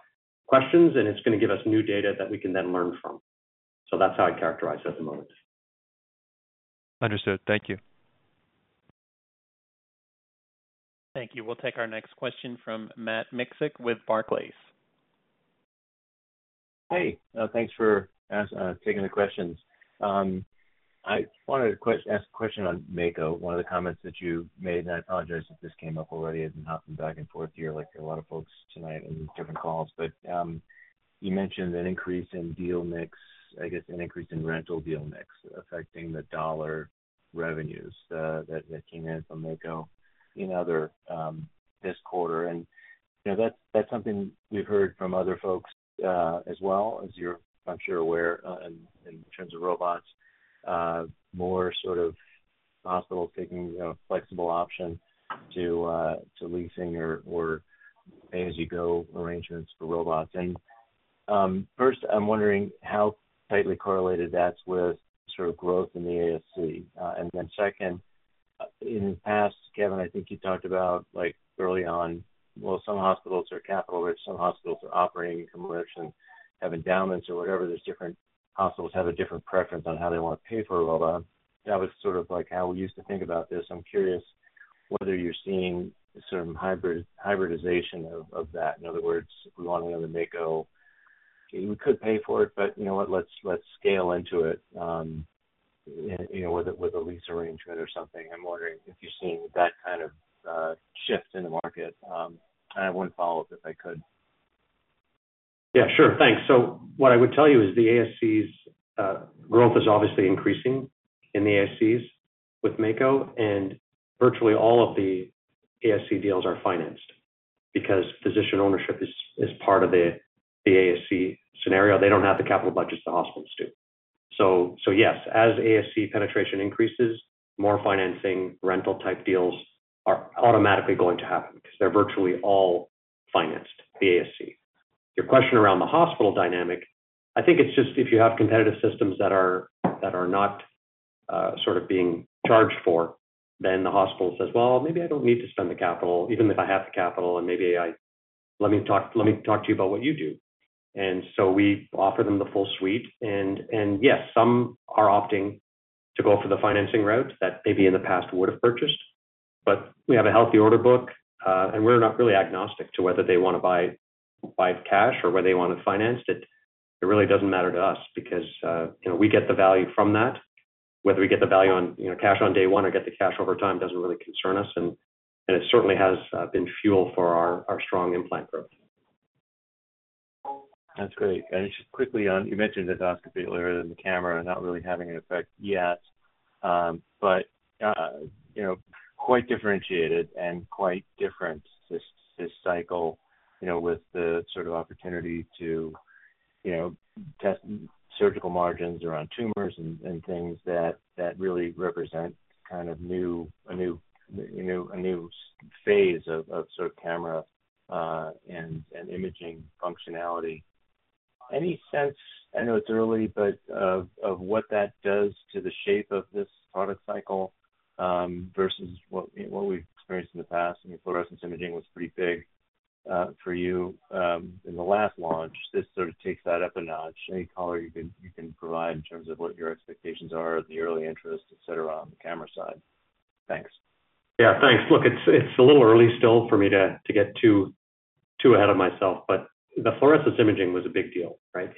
questions, and it's going to give us new data that we can then learn from. That's how I'd characterize it at the moment. Understood. Thank you. Thank you. We'll take our next question from Matt Miksic with Barclays. Hey, thanks for taking the questions. I wanted to ask a question on Mako. One of the comments that you made, and I apologize if this came up already, as I'm hopping back and forth here, like a lot of folks tonight in different calls. You mentioned an increase in deal mix, I guess, an increase in rental deal mix affecting the dollar revenues, that came in from Mako in other, this quarter. You know, that's, that's something we've heard from other folks, as well, as you're, I'm sure aware, in terms of robots, more sort of hospitals taking, you know, flexible option to leasing or pay-as-you-go arrangements for robots. First, I'm wondering how tightly correlated that's with sort of growth in the ASC? Second, in the past, Kevin, I think you talked about, like early on, well, some hospitals are capital rich, some hospitals are operating rich and have endowments or whatever. There's different hospitals have a different preference on how they want to pay for a robot. That was sort of like how we used to think about this. I'm curious whether you're seeing some hybrid, hybridization of, of that. In other words, we want to go to Mako. We could pay for it, you know what? Let's, let's scale into it, you know, with a, with a lease arrangement or something. I'm wondering if you're seeing that kind of shift in the market. I have one follow-up, if I could. Yeah, sure. Thanks. What I would tell you is the ASCs growth is obviously increasing in the ASCs with Mako, and virtually all of the ASC deals are financed because physician ownership is part of the ASC scenario. They don't have the capital budgets the hospitals do. Yes, as ASC penetration increases, more financing, rental-type deals are automatically going to happen because they're virtually all financed, the ASC. Your question around the hospital dynamic, I think it's just if you have competitive systems that are not sort of being charged for, then the hospital says: Well, maybe I don't need to spend the capital, even if I have the capital, and maybe I. Let me talk, let me talk to you about what you do. We offer them the full suite, and yes, some are opting to go for the financing route that maybe in the past would have purchased. We have a healthy order book, and we're not really agnostic to whether they want to buy, buy cash or whether they want to finance it. It really doesn't matter to us because, you know, we get the value from that. Whether we get the value on, you know, cash on day one or get the cash over time doesn't really concern us, and it certainly has been fuel for our, our strong implant growth. That's great. Just quickly on, you mentioned endoscopy earlier than the camera and not really having an effect yet. But, you know, quite differentiated and quite different this, this cycle, you know, with the sort of opportunity to, you know, test surgical margins around tumors and, and things that, that really represent kind of new, a new, a new, a new phase of, of sort of camera, and imaging functionality. Any sense, I know it's early, but of what that does to the shape of this product cycle, versus what, what we've experienced in the past? I mean, fluorescence imaging was pretty big for you in the last launch. This sort of takes that up a notch. Any color you can, you can provide in terms of what your expectations are, the early interest, et cetera, on the camera side? Thanks. Yeah, thanks. Look, it's a little early still for me to get too ahead of myself, but the fluorescence imaging was a big deal, right?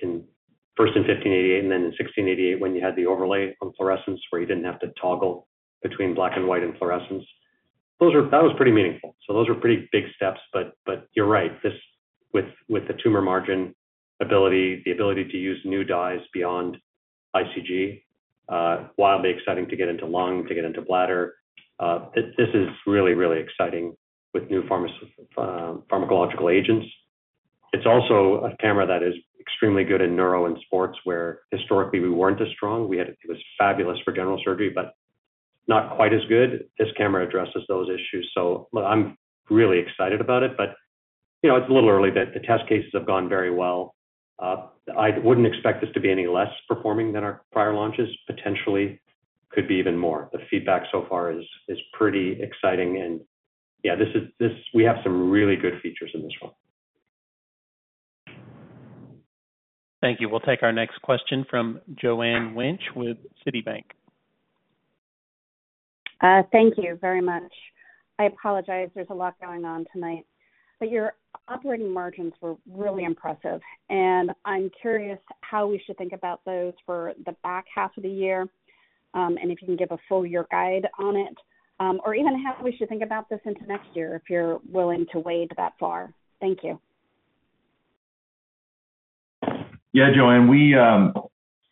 First in 1588 and then in 1688, when you had the overlay on fluorescence, where you didn't have to toggle between black and white and fluorescence. That was pretty meaningful. Those were pretty big steps, but you're right. This, with the tumor margin ability, the ability to use new dyes beyond ICG, wildly exciting to get into lung, to get into bladder. This is really, really exciting with new pharmacological agents. It's also a camera that is extremely good in Neuro and Sports, where historically we weren't as strong. It was fabulous for general surgery, but not quite as good. This camera addresses those issues. I'm really excited about it, but, you know, it's a little early. The test cases have gone very well. I wouldn't expect this to be any less performing than our prior launches. Potentially, could be even more. The feedback so far is pretty exciting. Yeah, we have some really good features in this one. Thank you. We'll take our next question from Joanne Wuensch with Citibank. Thank you very much. I apologize, there's a lot going on tonight. Your operating margins were really impressive, and I'm curious how we should think about those for the back half of the year, and if you can give a full year guide on it, or even how we should think about this into next year, if you're willing to wade that far. Thank you. Yeah, Joanne, we,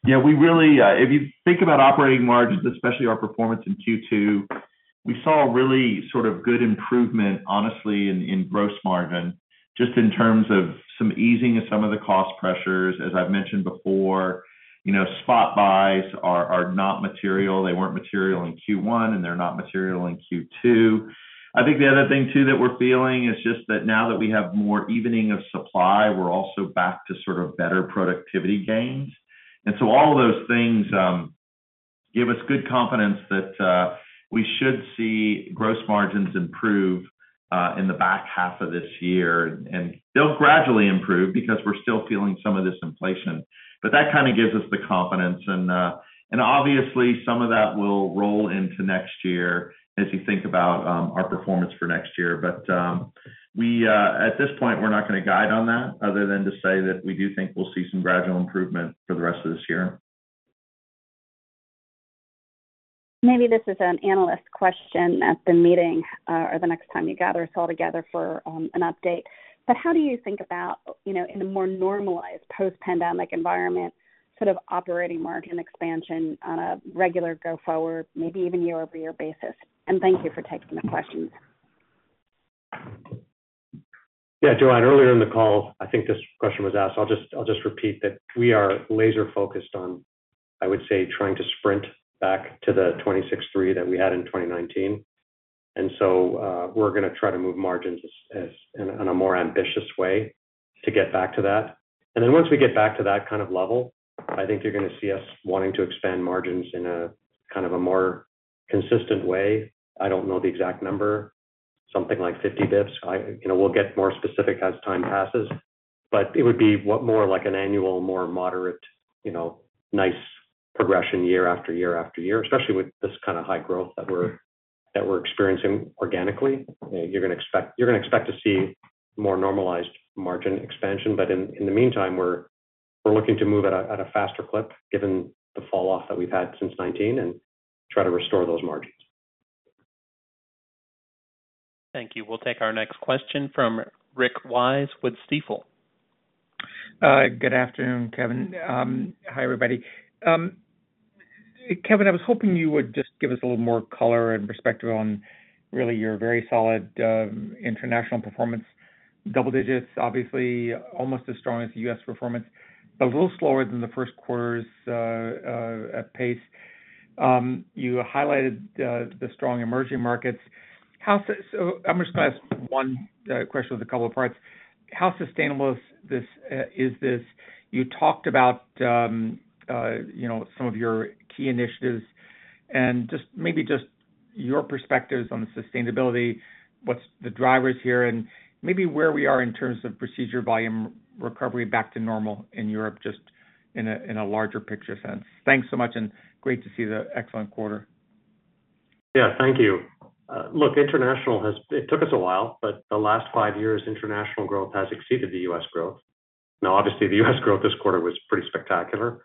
yeah, we really, if you think about operating margins, especially our performance in Q2, we saw a really sort of good improvement, honestly, in gross margin, just in terms of some easing of some of the cost pressures. As I've mentioned before, you know, spot buys are not material. They weren't material in Q1, and they're not material in Q2. I think the other thing, too, that we're feeling is just that now that we have more evening of supply, we're also back to sort of better productivity gains. So all of those things give us good confidence that we should see gross margins improve in the back half of this year. They'll gradually improve because we're still feeling some of this inflation. That kind of gives us the confidence and, and obviously some of that will roll into next year as you think about, our performance for next year. We, at this point, we're not going to guide on that other than to say that we do think we'll see some gradual improvement for the rest of this year. Maybe this is an analyst question at the meeting, or the next time you gather us all together for an update. How do you think about, you know, in a more normalized post-pandemic environment, sort of operating margin expansion on a regular go-forward, maybe even year-over-year basis? Thank you for taking the questions. Yeah, Joanne, earlier in the call, I think this question was asked. I'll just, I'll just repeat that we are laser-focused on, I would say, trying to sprint back to the 26.3 that we had in 2019. So, we're going to try to move margins as, as in, in a more ambitious way to get back to that. Then once we get back to that kind of level, I think you're going to see us wanting to expand margins in a kind of a more consistent way. I don't know the exact number, something like 50 basis points. I, you know, we'll get more specific as time passes, but it would be what more like an annual, more moderate, you know, nice progression year after year after year, especially with this kind of high growth that we're, that we're experiencing organically. You're going to expect, you're going to expect to see more normalized margin expansion. In the meantime, we're looking to move at a faster clip, given the fall off that we've had since 2019 and try to restore those margins. Thank you. We'll take our next question from Rick Wise with Stifel. Good afternoon, Kevin. Hi, everybody. Kevin, I was hoping you would just give us a little more color and perspective on really your very solid international performance. Double-digits, obviously almost as strong as the U.S. performance, but a little slower than the first quarter's pace. You highlighted the strong emerging markets. I'm just gonna ask one question with a couple of parts. How sustainable is this, is this? You talked about, you know, some of your key initiatives, and just maybe just your perspectives on the sustainability, what's the drivers here, and maybe where we are in terms of procedure volume recovery back to normal in Europe, just in a, in a larger picture sense. Thanks so much, and great to see the excellent quarter. Yeah, thank you. look, international took us a while, but the last five years, international growth has exceeded the U.S. growth. Obviously, the U.S. growth this quarter was pretty spectacular.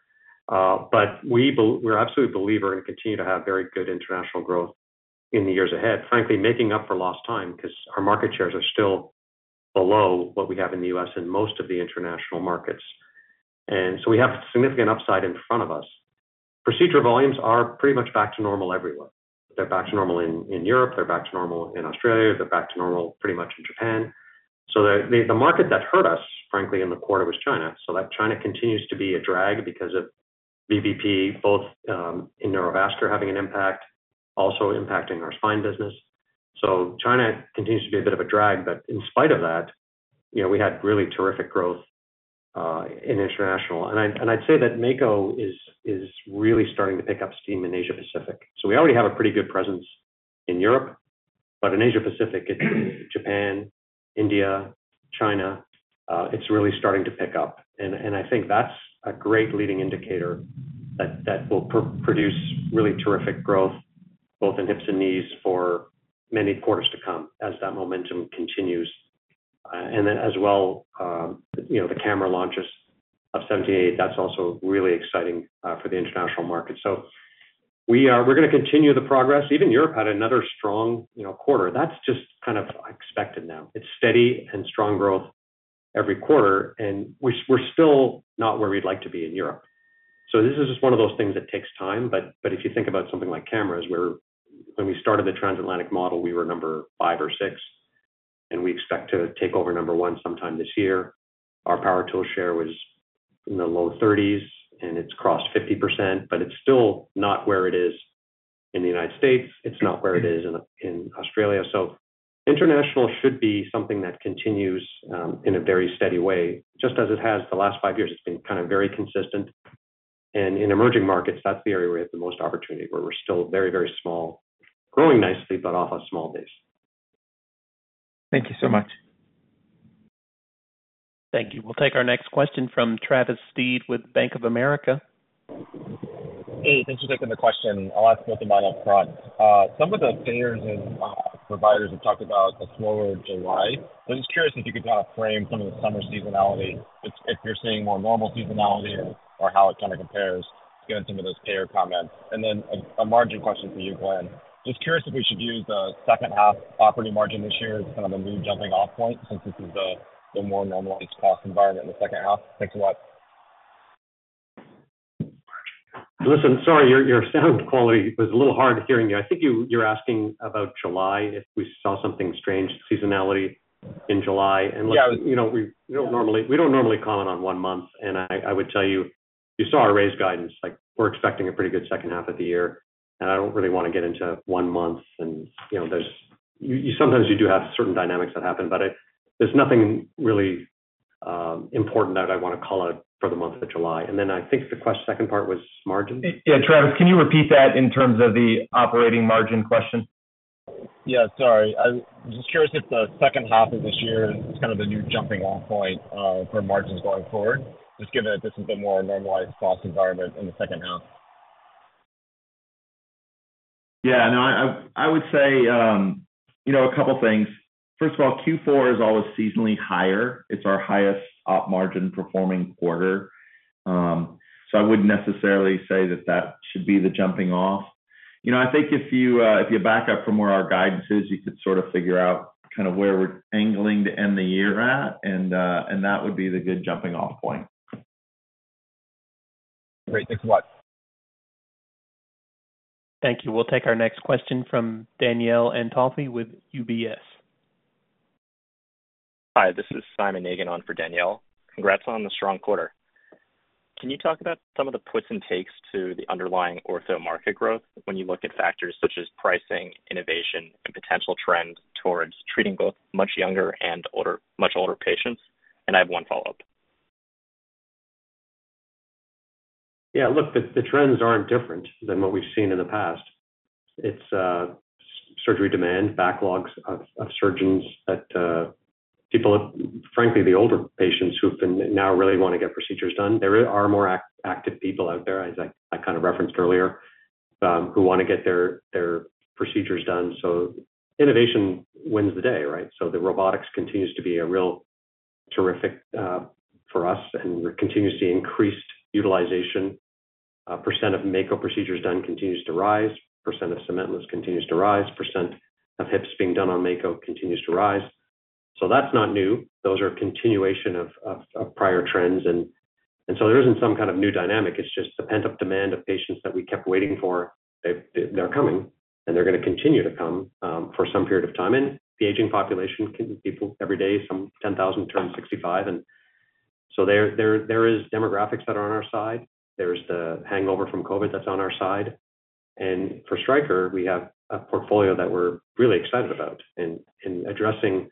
but we're absolutely a believer and continue to have very good international growth in the years ahead, frankly, making up for lost time because our market shares are still below what we have in the U.S. and most of the international markets. We have significant upside in front of us. Procedure volumes are pretty much back to normal everywhere. They're back to normal in Europe, they're back to normal in Australia, they're back to normal pretty much in Japan. The market that hurt us, frankly, in the quarter was China. That China continues to be a drag because of VBP, both in Neurovascular, having an impact, also impacting our spine business. China continues to be a bit of a drag, but in spite of that, you know, we had really terrific growth in international. I, and I'd say that Mako is really starting to pick up steam in Asia Pacific. We already have a pretty good presence in Europe, but in Asia Pacific, it's Japan, India, China, it's really starting to pick up, and I think that's a great leading indicator that will pro-produce really terrific growth, both in hips and knees, for many quarters to come as that momentum continues. Then as well, you know, the camera launches of 78, that's also really exciting for the international market. We're gonna continue the progress. Even Europe had another strong, you know, quarter. That's just kind of expected now. It's steady and strong growth every quarter, and we're still not where we'd like to be in Europe. This is just one of those things that takes time, but if you think about something like cameras, where when we started the transatlantic model, we were number five or six, and we expect to take over number one sometime this year. Our power tool share was in the low 30s, and it's crossed 50%, but it's still not where it is in the United States. It's not where it is in Australia. International should be something that continues in a very steady way, just as it has the last five years, it's been kind of very consistent. In emerging markets, that's the area where we have the most opportunity, where we're still very, very small, growing nicely, but off a small base. Thank you so much. Thank you. We'll take our next question from Travis Steed with Bank of America. Hey, thanks for taking the question. I'll ask about Upfront. Some of the payers and providers have talked about a slower July. Just curious if you could kind of frame some of the summer seasonality, if, if you're seeing more normal seasonality or, or how it kind of compares given some of those payer comments. Then a, a margin question for you, Glenn. Just curious if we should use the second half operating margin this year as kind of a new jumping-off point, since this is the, the more normalized cost environment in the second half. Thanks a lot. Listen, sorry, your, your sound quality was a little hard hearing you. I think you, you're asking about July, if we saw something strange, seasonality in July. Yeah. Look, you know, we don't normally, we don't normally comment on one month, and I, I would tell you, you saw our raised guidance, like, we're expecting a pretty good second half of the year, and I don't really want to get into one month. You know, sometimes you do have certain dynamics that happen, but there's nothing really important that I want to call out for the month of July. Then I think the second part was margin. Yeah, Travis, can you repeat that in terms of the operating margin question? Yeah, sorry. I was just curious if the second half of this year is kind of the new jumping-off point for margins going forward, just given that this is a bit more normalized cost environment in the second half. Yeah, no, I would say, you know, a couple things. First of all, Q4 is always seasonally higher. It's our highest op margin-performing quarter. I wouldn't necessarily say that that should be the jumping off. You know, I think if you, if you back up from where our guidance is, you could sort of figure out kind of where we're angling to end the year at, that would be the good jumping-off point. Great. Thanks a lot. Thank you. We'll take our next question from Danielle Antalffy with UBS. Hi, this is Simon on for Danielle. Congrats on the strong quarter. Can you talk about some of the puts and takes to the underlying ortho market growth when you look at factors such as pricing, innovation, and potential trends towards treating both much younger and older, much older patients? I have one follow-up. Look, the trends aren't different than what we've seen in the past. It's surgery demand, backlogs of surgeons that people, frankly, the older patients who've been, now really want to get procedures done. There are more active people out there, as I kind of referenced earlier, who want to get their procedures done. Innovation wins the day, right? The robotics continues to be a real terrific for us and continues to see increased utilization. Percent of Mako procedures done continues to rise. Percent of cementless continues to rise. Percent of hips being done on Mako continues to rise. That's not new. Those are a continuation of prior trends, and so there isn't some kind of new dynamic. It's just the pent-up demand of patients that we kept waiting for. They're coming, and they're going to continue to come for some period of time. The aging population, people, every day, some 10,000 turn 65. There, there, there is demographics that are on our side. There's the hangover from COVID that's on our side. For Stryker, we have a portfolio that we're really excited about. Addressing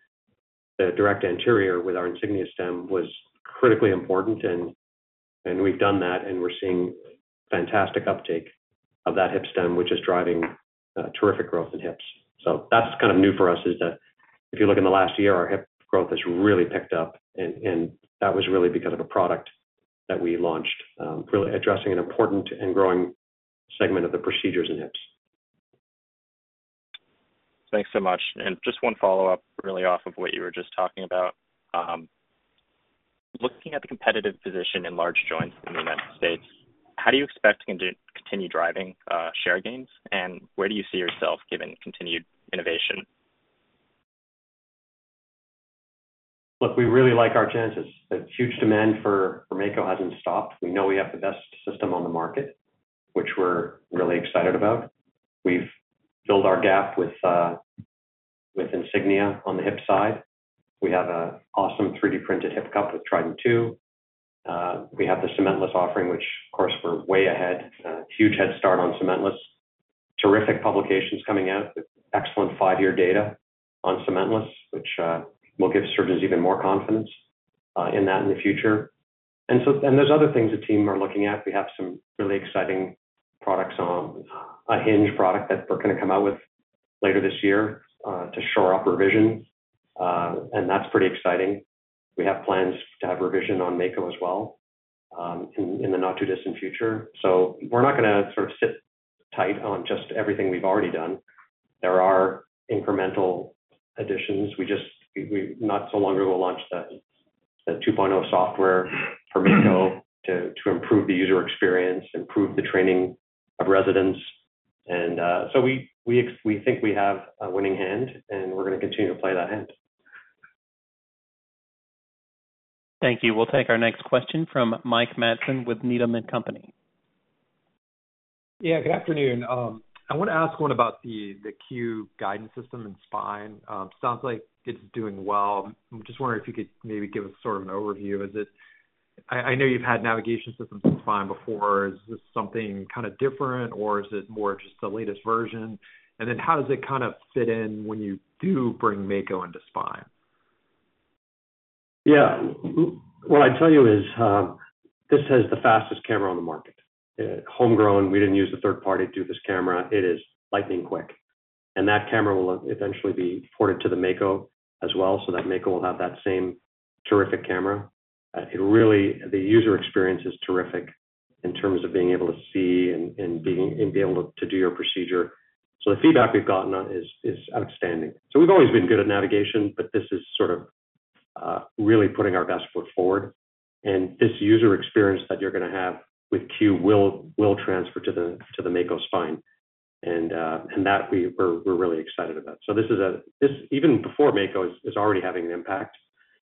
the direct anterior with our Insignia stem was critically important, and we've done that, and we're seeing fantastic uptake of that hip stem, which is driving terrific growth in hips. That's kind of new for us, is that if you look in the last year, our hip growth has really picked up, and that was really because of a product that we launched, really addressing an important and growing segment of the procedures in hips. Thanks so much. Just one follow-up really off of what you were just talking about. Looking at the competitive position in large joints in the United States, how do you expect to continue driving share gains, and where do you see yourself given continued innovation? Look, we really like our chances. The huge demand for Mako hasn't stopped. We know we have the best system on the market, which we're really excited about. We've filled our gap with Insignia on the hip side. We have a awesome 3D printed hip cup with Trident Two. We have the cementless offering, which of course, we're way ahead, huge head start on cementless. Terrific publications coming out with excellent five-year data on cementless, which will give surgeons even more confidence in that in the future. There's other things the team are looking at. We have some really exciting products on a hinge product that we're gonna come out with later this year to shore up revision, and that's pretty exciting. We have plans to have revision on Mako as well, in, in the not-too-distant future. We're not gonna sort of sit tight on just everything we've already done. There are incremental additions. We, not so long ago, launched the 2.0 software for Mako to improve the user experience, improve the training of residents, and, so we, we think we have a winning hand, and we're gonna continue to play that hand. Thank you. We'll take our next question from Mike Matson with Needham & Company. Yeah, good afternoon. I wanna ask one about the Q guidance system in spine. Sounds like it's doing well. I'm just wondering if you could maybe give us sort of an overview. Is it, I know you've had navigation systems in spine before. Is this something kind of different, or is it more just the latest version? Then how does it kind of fit in when you do bring Mako into spine? Yeah. What I'd tell you is, this has the fastest camera on the market. Homegrown, we didn't use a third party to do this camera. It is lightning quick, and that camera will eventually be ported to the Mako as well, so that Mako will have that same terrific camera. It really, the user experience is terrific in terms of being able to see and, and being, and be able to, to do your procedure. The feedback we've gotten on is, is outstanding. We've always been good at navigation, but this is sort of, really putting our best foot forward. This user experience that you're gonna have with Q will, will transfer to the, to the Mako spine, and that we, we're, we're really excited about. This is this, even before Mako, is, is already having an impact,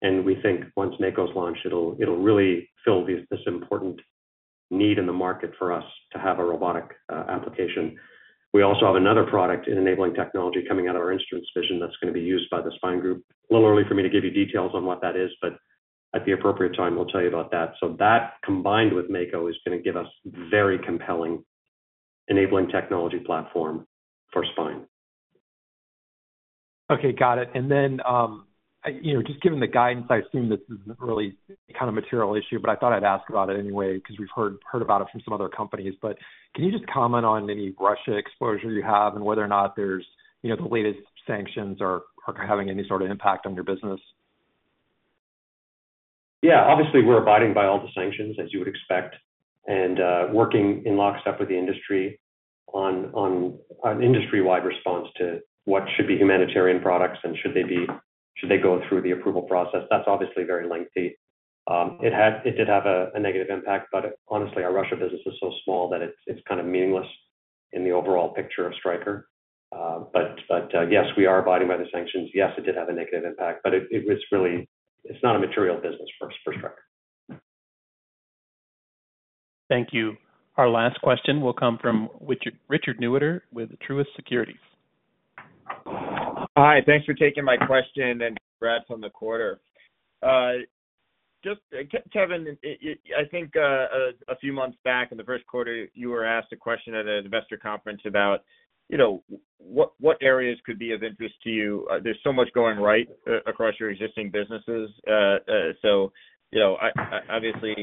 and we think once Mako's launched, it'll, it'll really fill this, this important need in the market for us to have a robotic application. We also have another product in enabling technology coming out of our instruments vision that's gonna be used by the spine group. A little early for me to give you details on what that is, but at the appropriate time, we'll tell you about that. That, combined with Mako, is gonna give us very compelling enabling technology platform for spine. Okay, got it. Then, I, you know, just given the guidance, I assume this isn't really kind of material issue, but I thought I'd ask about it anyway because we've heard, heard about it from some other companies. Can you just comment on any Russia exposure you have and whether or not there's, you know, the latest sanctions are, are having any sort of impact on your business? Yeah. Obviously, we're abiding by all the sanctions, as you would expect, and working in lockstep with the industry on industry-wide response to what should be humanitarian products and should they go through the approval process? That's obviously very lengthy. It did have a negative impact, but honestly, our Russia business is so small that it's kind of meaningless in the overall picture of Stryker. Yes, we are abiding by the sanctions. Yes, it did have a negative impact, but it was really. It's not a material business for Stryker. Thank you. Our last question will come from Richard Newitter with Truist Securities. Hi, thanks for taking my question, and congrats on the quarter. Just Kevin, I think a few months back, in the first quarter, you were asked a question at an investor conference about, you know, what, what areas could be of interest to you. There's so much going right across your existing businesses. So, you know, I, obviously,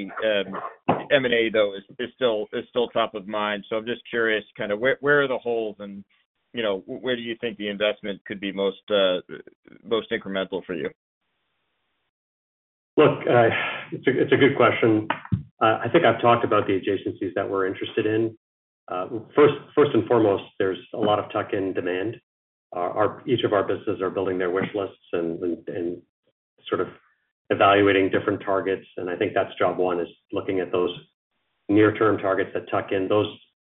M&A, though, is still top of mind. I'm just curious, kind of where, where are the holes and, you know, where do you think the investment could be most incremental for you? Look, it's a good question. I think I've talked about the adjacencies that we're interested in. First, first and foremost, there's a lot of tuck-in demand. Each of our businesses are building their wish lists and sort of evaluating different targets, and I think that's job one, is looking at those near-term targets that tuck in. Those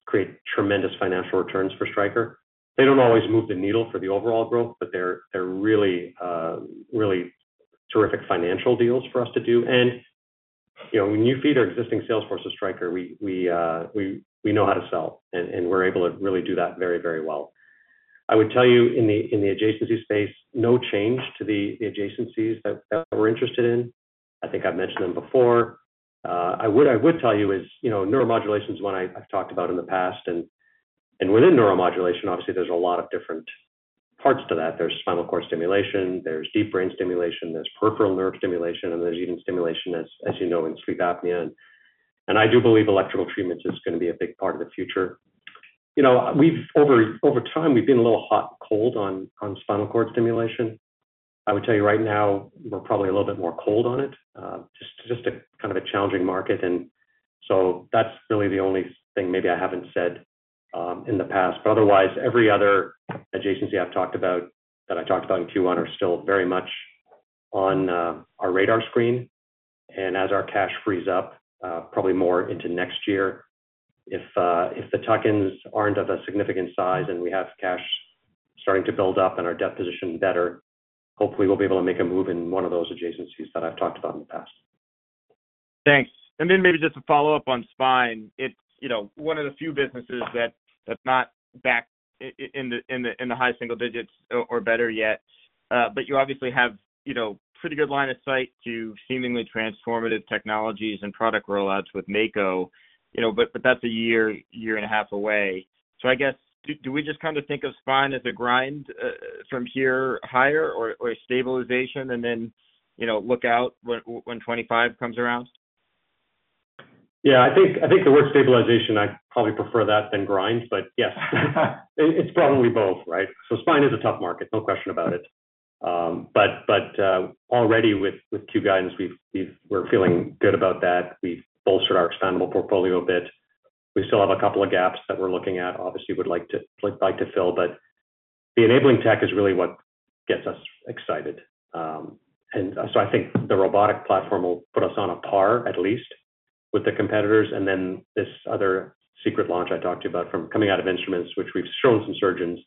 create tremendous financial returns for Stryker. They don't always move the needle for the overall growth, but they're really terrific financial deals for us to do. You know, when you feed our existing salesforce to Stryker, we know how to sell, and we're able to really do that very, very well. I would tell you in the adjacency space, no change to the adjacencies that we're interested in. I think I've mentioned them before. I would, I would tell you is, you know, neuromodulation is one I, I've talked about in the past, and within neuromodulation, obviously, there's a lot of different parts to that. There's spinal cord stimulation, there's deep brain stimulation, there's peripheral nerve stimulation, and there's even stimulation, as, as you know, in sleep apnea. I do believe electrical treatments is gonna be a big part of the future. You know, we've over, over time, we've been a little hot and cold on, on spinal cord stimulation. I would tell you right now, we're probably a little bit more cold on it, just, just a kind of a challenging market. That's really the only thing maybe I haven't said in the past. Otherwise, every other adjacency I've talked about, that I talked about in Q1 are still very much on our radar screen. As our cash frees up, probably more into next year, if the tuck-ins aren't of a significant size, and we have cash starting to build up and our debt position better, hopefully we'll be able to make a move in one of those adjacencies that I've talked about in the past. Thanks. Then maybe just to follow up on spine, it's, you know, one of the few businesses that, that's not back in the, in the, in the high single digits or better yet. You obviously have, you know, pretty good line of sight to seemingly transformative technologies and product rollouts with Mako, you know, but, but that's a year, year and a half away. I guess, do, do we just kind of think of spine as a grind, from here higher or, or a stabilization and then, you know, look out when, when 25 comes around? Yeah, I think, I think the word stabilization, I probably prefer that than grind, but yes. It's probably both, right? Spine is a tough market, no question about it. Already with Q guidance, we're feeling good about that. We've bolstered our expandable portfolio a bit. We still have a couple of gaps that we're looking at, obviously, would like to, like to fill, but the enabling tech is really what gets us excited. So I think the robotic platform will put us on a par, at least with the competitors. Then this other secret launch I talked to you about from coming out of instruments, which we've shown some surgeons,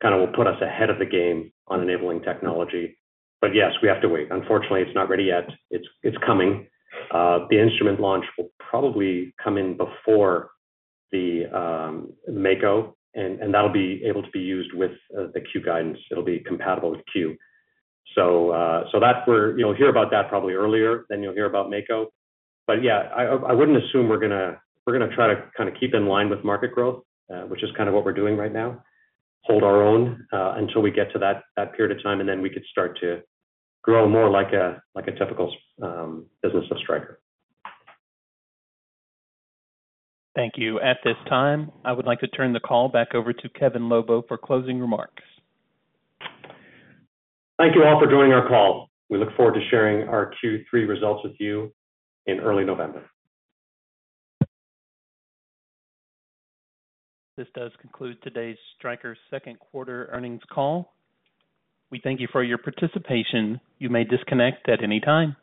kind of will put us ahead of the game on enabling technology. Yes, we have to wait. Unfortunately, it's not ready yet. It's coming. The instrument launch will probably come in before the Mako, and, and that'll be able to be used with the Q guidance. It'll be compatible with Q. So that's where... You'll hear about that probably earlier than you'll hear about Mako. Yeah, I, I wouldn't assume we're gonna try to kind of keep in line with market growth, which is kind of what we're doing right now. Hold our own until we get to that, that period of time, and then we could start to grow more like a, like a typical business of Stryker. Thank you. At this time, I would like to turn the call back over to Kevin Lobo for closing remarks. Thank you all for joining our call. We look forward to sharing our Q3 results with you in early November. This does conclude today's Stryker second quarter earnings call. We thank you for your participation. You may disconnect at any time.